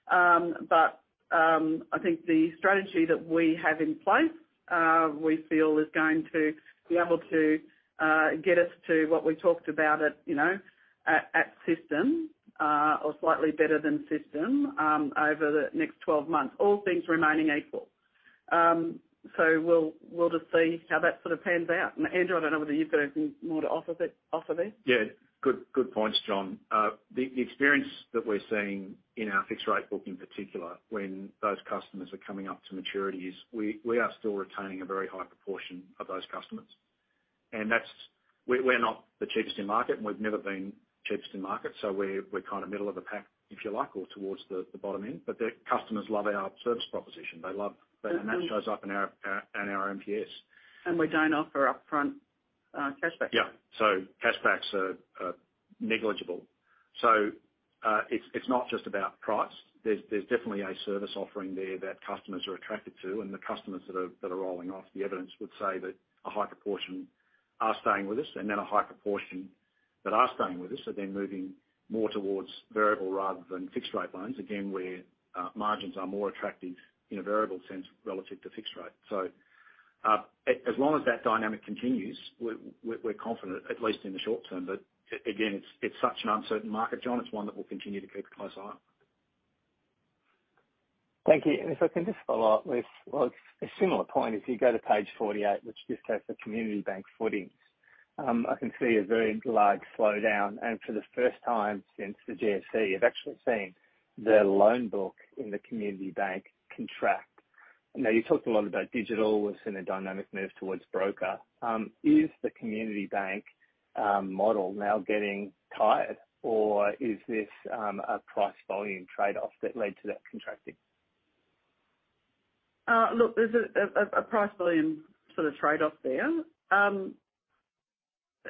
I think the strategy that we have in place, we feel is going to be able to get us to what we talked about at, you know, at system, or slightly better than system, over the next 12 months, all things remaining equal. We'll, we'll just see how that sort of pans out. Andrew, I don't know whether you've got anything more to offer there. Yeah. Good, good points, Jonathan. The experience that we're seeing in our fixed rate book in particular, when those customers are coming up to maturity is we are still retaining a very high proportion of those customers. We're not the cheapest in market, and we've never been cheapest in market. We're kind of middle of the pack, if you like, or towards the bottom end. The customers love our service proposition. They love- Mm-hmm. That shows up in our NPS. We don't offer up front, cashbacks. Yeah. Cashbacks are negligible. It's not just about price. There's definitely a service offering there that customers are attracted to, and the customers that are rolling off, the evidence would say that a high proportion are staying with us, and then a high proportion that are staying with us are then moving more towards variable rather than fixed rate loans. Again, where margins are more attractive in a variable sense relative to fixed rate. As long as that dynamic continues, we're confident, at least in the short term. Again, it's such an uncertain market, John, it's one that we'll continue to keep a close eye on. Thank you. If I can just follow up with, well, a similar point. If you go to page 48, which just has the community bank footings, I can see a very large slowdown. For the first time since the GFC, I've actually seen the loan book in the community bank contract. I know you talked a lot about digital within a dynamic move towards broker. Is the community bank model now getting tired or is this a price volume trade-off that led to that contracting? Look, there's a price volume sort of trade-off there.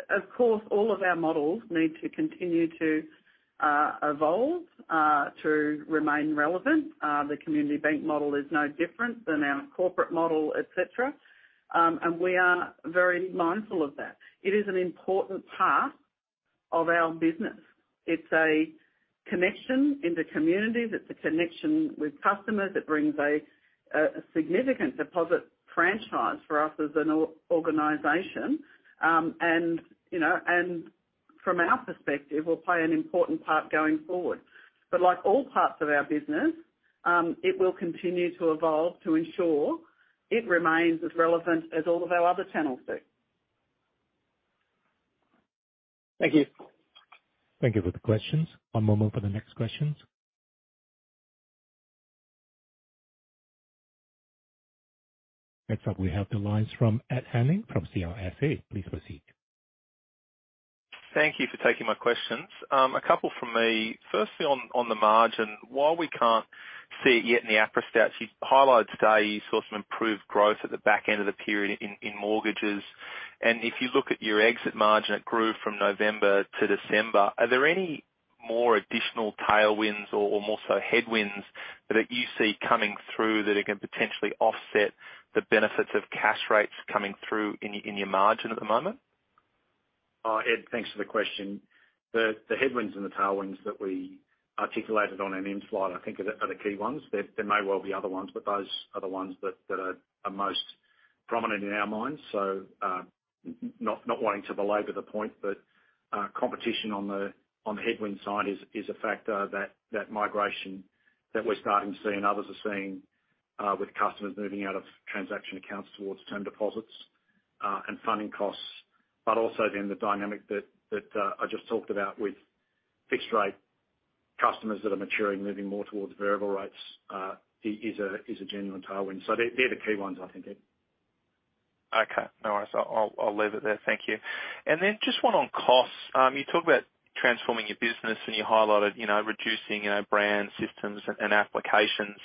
Of course, all of our models need to continue to evolve to remain relevant. The community bank model is no different than our corporate model, et cetera. We are very mindful of that. It is an important part of our business. It's a connection in the community. It's a connection with customers. It brings a significant deposit franchise for us as an organization. You know, and from our perspective, will play an important part going forward. Like all parts of our business, it will continue to evolve to ensure it remains as relevant as all of our other channels do. Thank you. Thank you for the questions. One moment for the next questions. Next up, we have the lines from Ed Henning from CLSA. Please proceed. Thank you for taking my questions. A couple from me. Firstly, on the margin, while we can't see it yet in the APRA stats, you've highlighted today you saw some improved growth at the back end of the period in mortgages. If you look at your exit margin, it grew from November to December. Are there any more additional tailwinds or more so headwinds that you see coming through that are gonna potentially offset the benefits of cash rates coming through in your margin at the moment? Ed, thanks for the question. The headwinds and the tailwinds that we articulated on an in-flight, I think are the key ones. There may well be other ones, but those are the ones that are most prominent in our minds. Not wanting to belabor the point, but competition on the headwind side is a factor that migration that we're starting to see and others are seeing with customers moving out of transaction accounts towards term deposits and funding costs. Also then the dynamic that I just talked about with fixed rate customers that are maturing, moving more towards variable rates, is a genuine tailwind. They're the key ones I think, Ed. Okay. No worries. I'll leave it there. Thank you. Just one on costs. You talk about transforming your business and you highlighted, you know, reducing, you know, brand systems and applications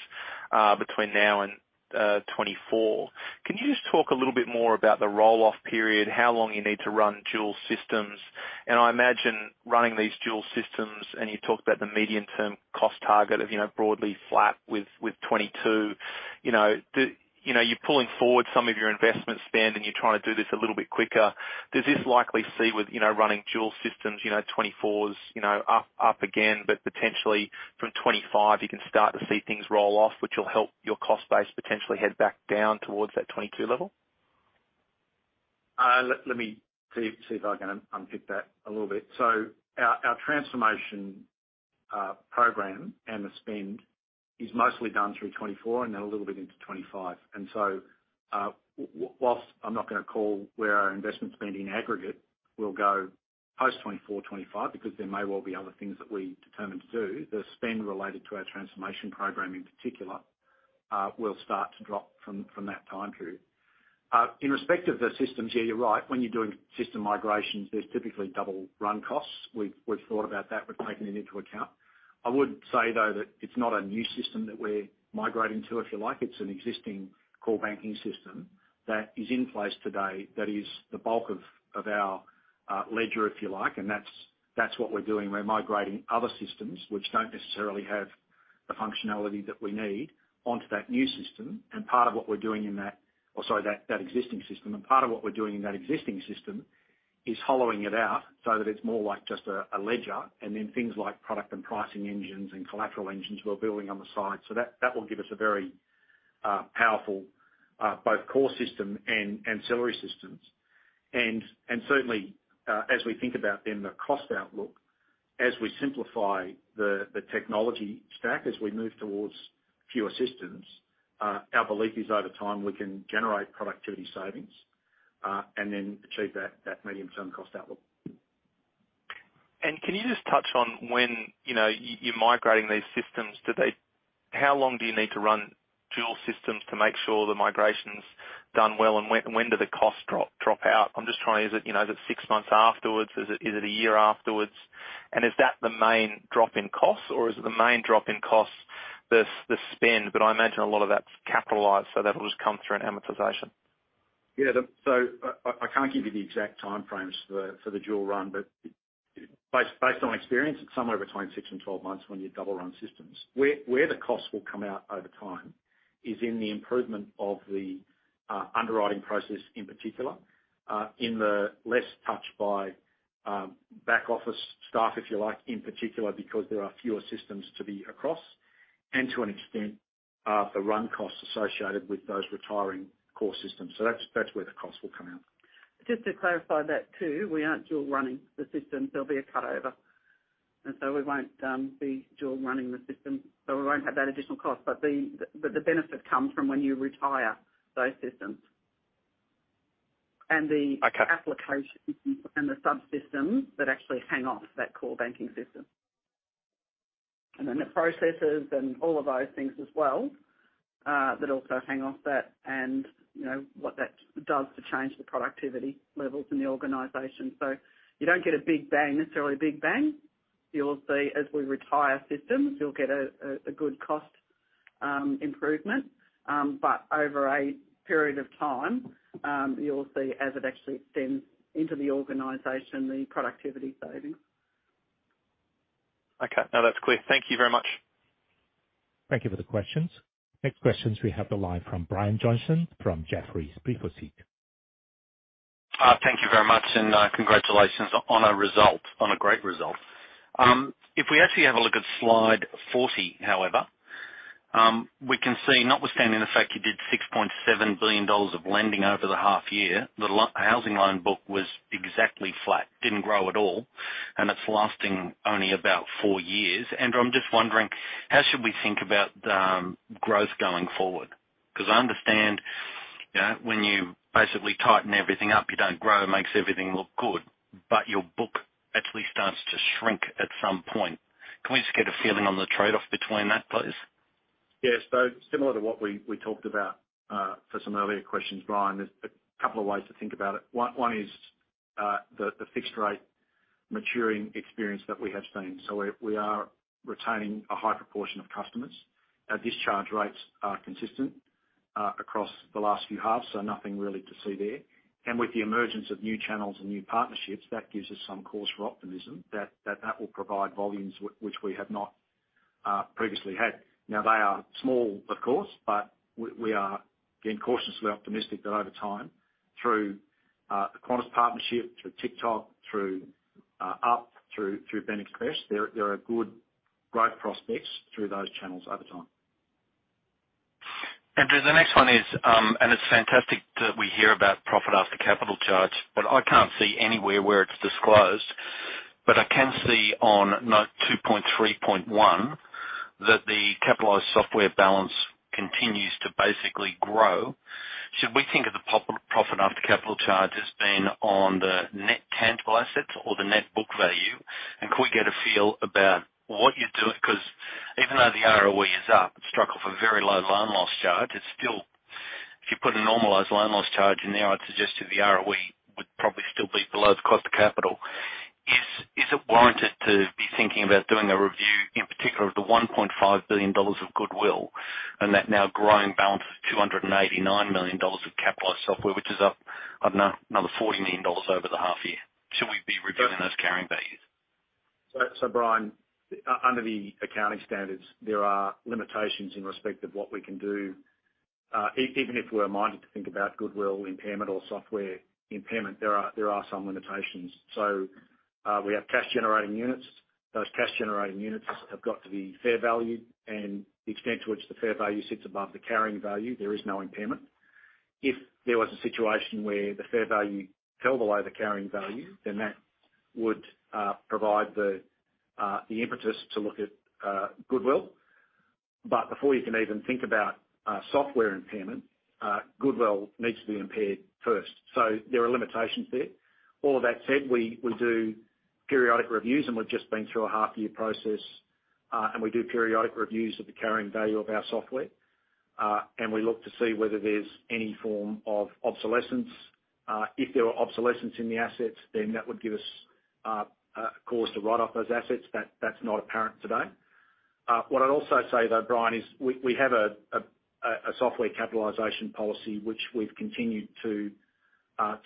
between now and 2024. Can you just talk a little bit more about the roll-off period, how long you need to run dual systems? I imagine running these dual systems, and you talked about the medium-term cost target of, you know, broadly flat with 2022. You know, the, you know, you're pulling forward some of your investment spend and you're trying to do this a little bit quicker. Does this likely see with, you know, running dual systems, you know, 2024s, you know, up again, but potentially from 2025 you can start to see things roll off, which will help your cost base potentially head back down towards that 2022 level? Let me see if I can unpick that a little bit. Our transformation program and the spend is mostly done through 2024 and then a little bit into 2025. Whilst I'm not gonna call where our investment spend in aggregate will go post 2024, 2025, because there may well be other things that we determine to do, the spend related to our transformation program in particular, will start to drop from that time period. In respect of the systems, yeah, you're right. When you're doing system migrations, there's typically double run costs. We've thought about that. We've taken it into account. I would say, though, that it's not a new system that we're migrating to, if you like. It's an existing core banking system that is in place today that is the bulk of our ledger, if you like, and that's what we're doing. We're migrating other systems which don't necessarily have the functionality that we need onto that new system. Part of what we're doing in that existing system is hollowing it out so that it's more like just a ledger and then things like product and pricing engines and collateral engines we're building on the side. That will give us a very powerful both core system and ancillary systems. Certainly, as we think about then the cost outlook, as we simplify the technology stack, as we move towards fewer systems, our belief is over time, we can generate productivity savings, and then achieve that medium-term cost outlook. Can you just touch on when, you know, you're migrating these systems, do they? How long do you need to run dual systems to make sure the migration's done well, and when do the costs drop out? I'm just trying. Is it, you know, is it six months afterwards? Is it one year afterwards? Is that the main drop in costs, or is the main drop in costs the spend? I imagine a lot of that's capitalized, so that'll just come through an amortization. I can't give you the exact timeframes for the, for the dual run, but based on experience, it's somewhere between 6 and 12 months when you double run systems. Where the costs will come out over time is in the improvement of the underwriting process, in particular, in the less touch by back office staff, if you like, in particular, because there are fewer systems to be across and to an extent, the run costs associated with those retiring core systems. That's where the costs will come out. Just to clarify that, too. We aren't dual running the systems. There'll be a cut over, and so we won't be dual running the systems, so we won't have that additional cost. The benefit comes from when you retire those systems. Okay. applications and the subsystems that actually hang off that core banking system. The processes and all of those things as well, that also hang off that and, you know, what that does to change the productivity levels in the organization. You don't get a big bang, necessarily a big bang. You'll see as we retire systems, you'll get a good cost improvement. Over a period of time, you'll see as it actually extends into the organization, the productivity savings. Okay. No, that's clear. Thank you very much. Thank you for the questions. Next questions we have the line from Brian Johnson from Jefferies. Please proceed. Thank you very much, and congratulations on a result, on a great result. If we actually have a look at slide 40, however, we can see, notwithstanding the fact you did 6.7 billion dollars of lending over the half year, the housing loan book was exactly flat, didn't grow at all, and it's lasting only about four years. Andrew, I'm just wondering, how should we think about growth going forward? I understand, you know, when you basically tighten everything up, you don't grow, makes everything look good, but your book actually starts to shrink at some point. Can we just get a feeling on the trade-off between that, please? Similar to what we talked about for some earlier questions, Brian, there's a couple of ways to think about it. One is the fixed rate maturing experience that we have seen. We are retaining a high proportion of customers. Our discharge rates are consistent across the last few halves, nothing really to see there. With the emergence of new channels and new partnerships, that gives us some cause for optimism that will provide volumes which we have not previously had. They are small, of course, we are being cautiously optimistic that over time, through the Qantas partnership, through TikTok, through Up, through BEN Express, there are good growth prospects through those channels over time. Andrew, the next one is, and it's fantastic that we hear about profit after capital charge, but I can't see anywhere where it's disclosed. I can see on note 2.3.1 that the capitalized software balance continues to basically grow. Should we think of the profit after capital charge as being on the net tangible assets or the net book value? Could we get a feel about what you're doing? 'Cause even though the ROE is up, struck off a very low loan loss charge, it's still... If you put a normalized loan loss charge in there, I'd suggest that the ROE would probably still be below the cost of capital. Is it warranted to be thinking about doing a review, in particular of the 1.5 billion dollars of goodwill and that now growing balance of 289 million dollars of capitalized software, which is up, I don't know, another 40 million dollars over the half year? Should we be reviewing those carrying values? Brian, under the accounting standards, there are limitations in respect of what we can do. Even if we're minded to think about goodwill impairment or software impairment, there are some limitations. We have cash generating units. Those cash generating units have got to be fair value, and the extent to which the fair value sits above the carrying value, there is no impairment. If there was a situation where the fair value fell below the carrying value, then that would provide the impetus to look at goodwill. Before you can even think about software impairment, goodwill needs to be impaired first. There are limitations there. All of that said, we do periodic reviews, and we've just been through a half year process, and we do periodic reviews of the carrying value of our software. We look to see whether there's any form of obsolescence. If there are obsolescence in the assets, then that would give us cause to write off those assets. That's not apparent today. What I'd also say though, Brian, is we have a software capitalization policy which we've continued to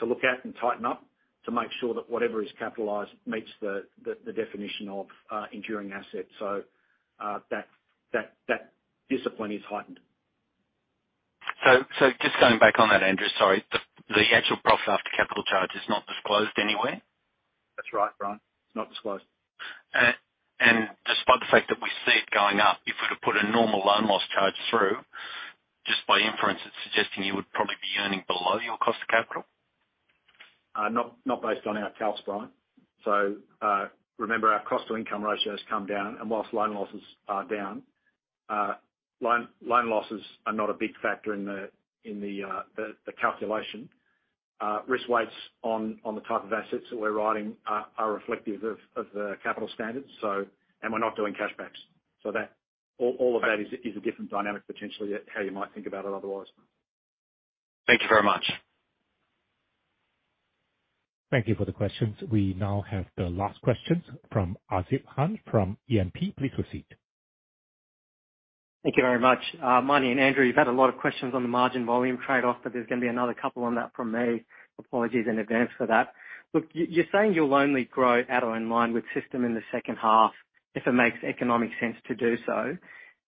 look at and tighten up to make sure that whatever is capitalized meets the definition of enduring asset. That discipline is heightened. Just going back on that, Andrew, sorry. The actual profit after capital charge is not disclosed anywhere? That's right, Brian. It's not disclosed. Despite the fact that we see it going up, if we were to put a normal loan loss charge through, just by inference, it's suggesting you would probably be earning below your cost of capital? Not based on our calc, Brian. Remember, our cost to income ratio has come down, and whilst loan losses are down, loan losses are not a big factor in the calculation. Risk weights on the type of assets that we're writing are reflective of the capital standards. We're not doing cashbacks. All of that is a different dynamic, potentially how you might think about it otherwise. Thank you very much. Thank you for the questions. We now have the last questions from Asit Khan from E&P. Please proceed. Thank you very much. Marnie Baker and Andrew Morgan, you've had a lot of questions on the margin volume trade-off, but there's gonna be another couple on that from me. Apologies in advance for that. Look, you're saying you'll only grow at or in line with system in the second half, if it makes economic sense to do so.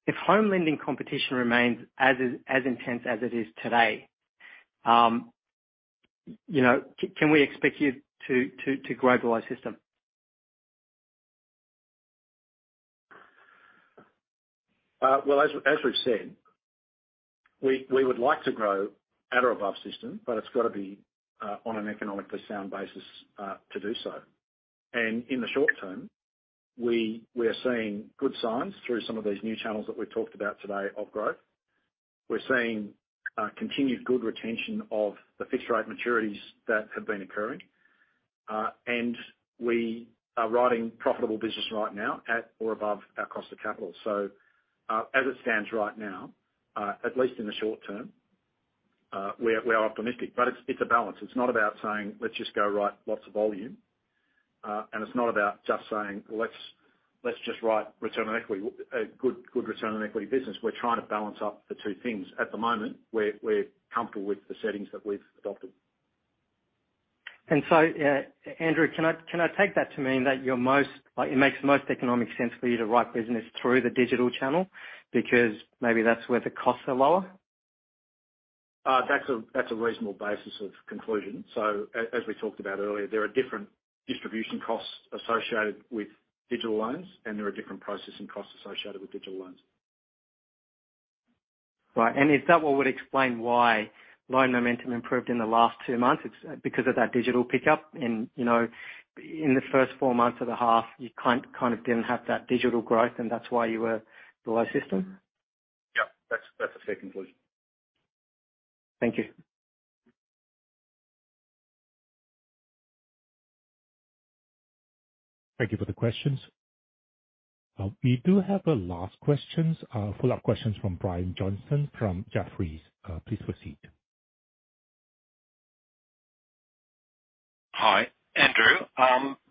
If home lending competition remains as intense as it is today, you know, can we expect you to grow below system? Well, as we've said, we would like to grow at or above system, but it's gotta be on an economically sound basis to do so. In the short term, we're seeing good signs through some of these new channels that we've talked about today of growth. We're seeing continued good retention of the fixed rate maturities that have been occurring. We are writing profitable business right now at or above our cost of capital. As it stands right now, at least in the short term, we are optimistic. It's a balance. It's not about saying, "Let's just go write lots of volume." It's not about just saying, "Let's just write return on equity, a good return on equity business." We're trying to balance up the two things. At the moment, we're comfortable with the settings that we've adopted. Andrew, can I take that to mean that you're most... Like, it makes most economic sense for you to write business through the digital channel because maybe that's where the costs are lower? That's a, that's a reasonable basis of conclusion. As we talked about earlier, there are different distribution costs associated with digital loans, and there are different processing costs associated with digital loans. Right. Is that what would explain why loan momentum improved in the last two months, it's because of that digital pickup and, you know, in the first four months of the half, you kind of didn't have that digital growth and that's why you were below system? Yeah. That's a fair conclusion. Thank you. Thank you for the questions. We do have a last questions, follow-up questions from Brian Johnson from Jefferies. Please proceed. Hi. Andrew,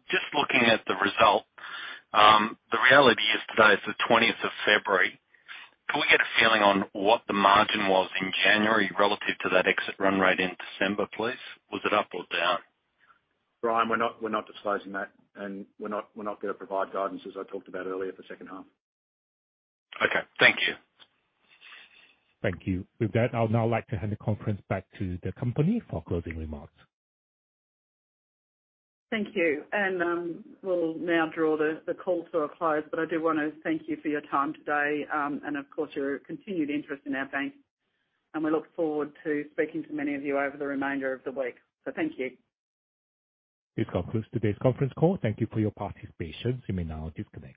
just looking at the result. The reality is today is the 20th of February. Can we get a feeling on what the margin was in January relative to that exit run rate in December, please? Was it up or down? Brian, we're not, we're not disclosing that, and we're not, we're not gonna provide guidance, as I talked about earlier, for second half. Okay. Thank you. Thank you. With that, I'll now like to hand the conference back to the company for closing remarks. Thank you. We'll now draw the call to a close, but I do wanna thank you for your time today, and of course, your continued interest in our bank. We look forward to speaking to many of you over the remainder of the week. Thank you. This concludes today's conference call. Thank you for your participation. You may now disconnect.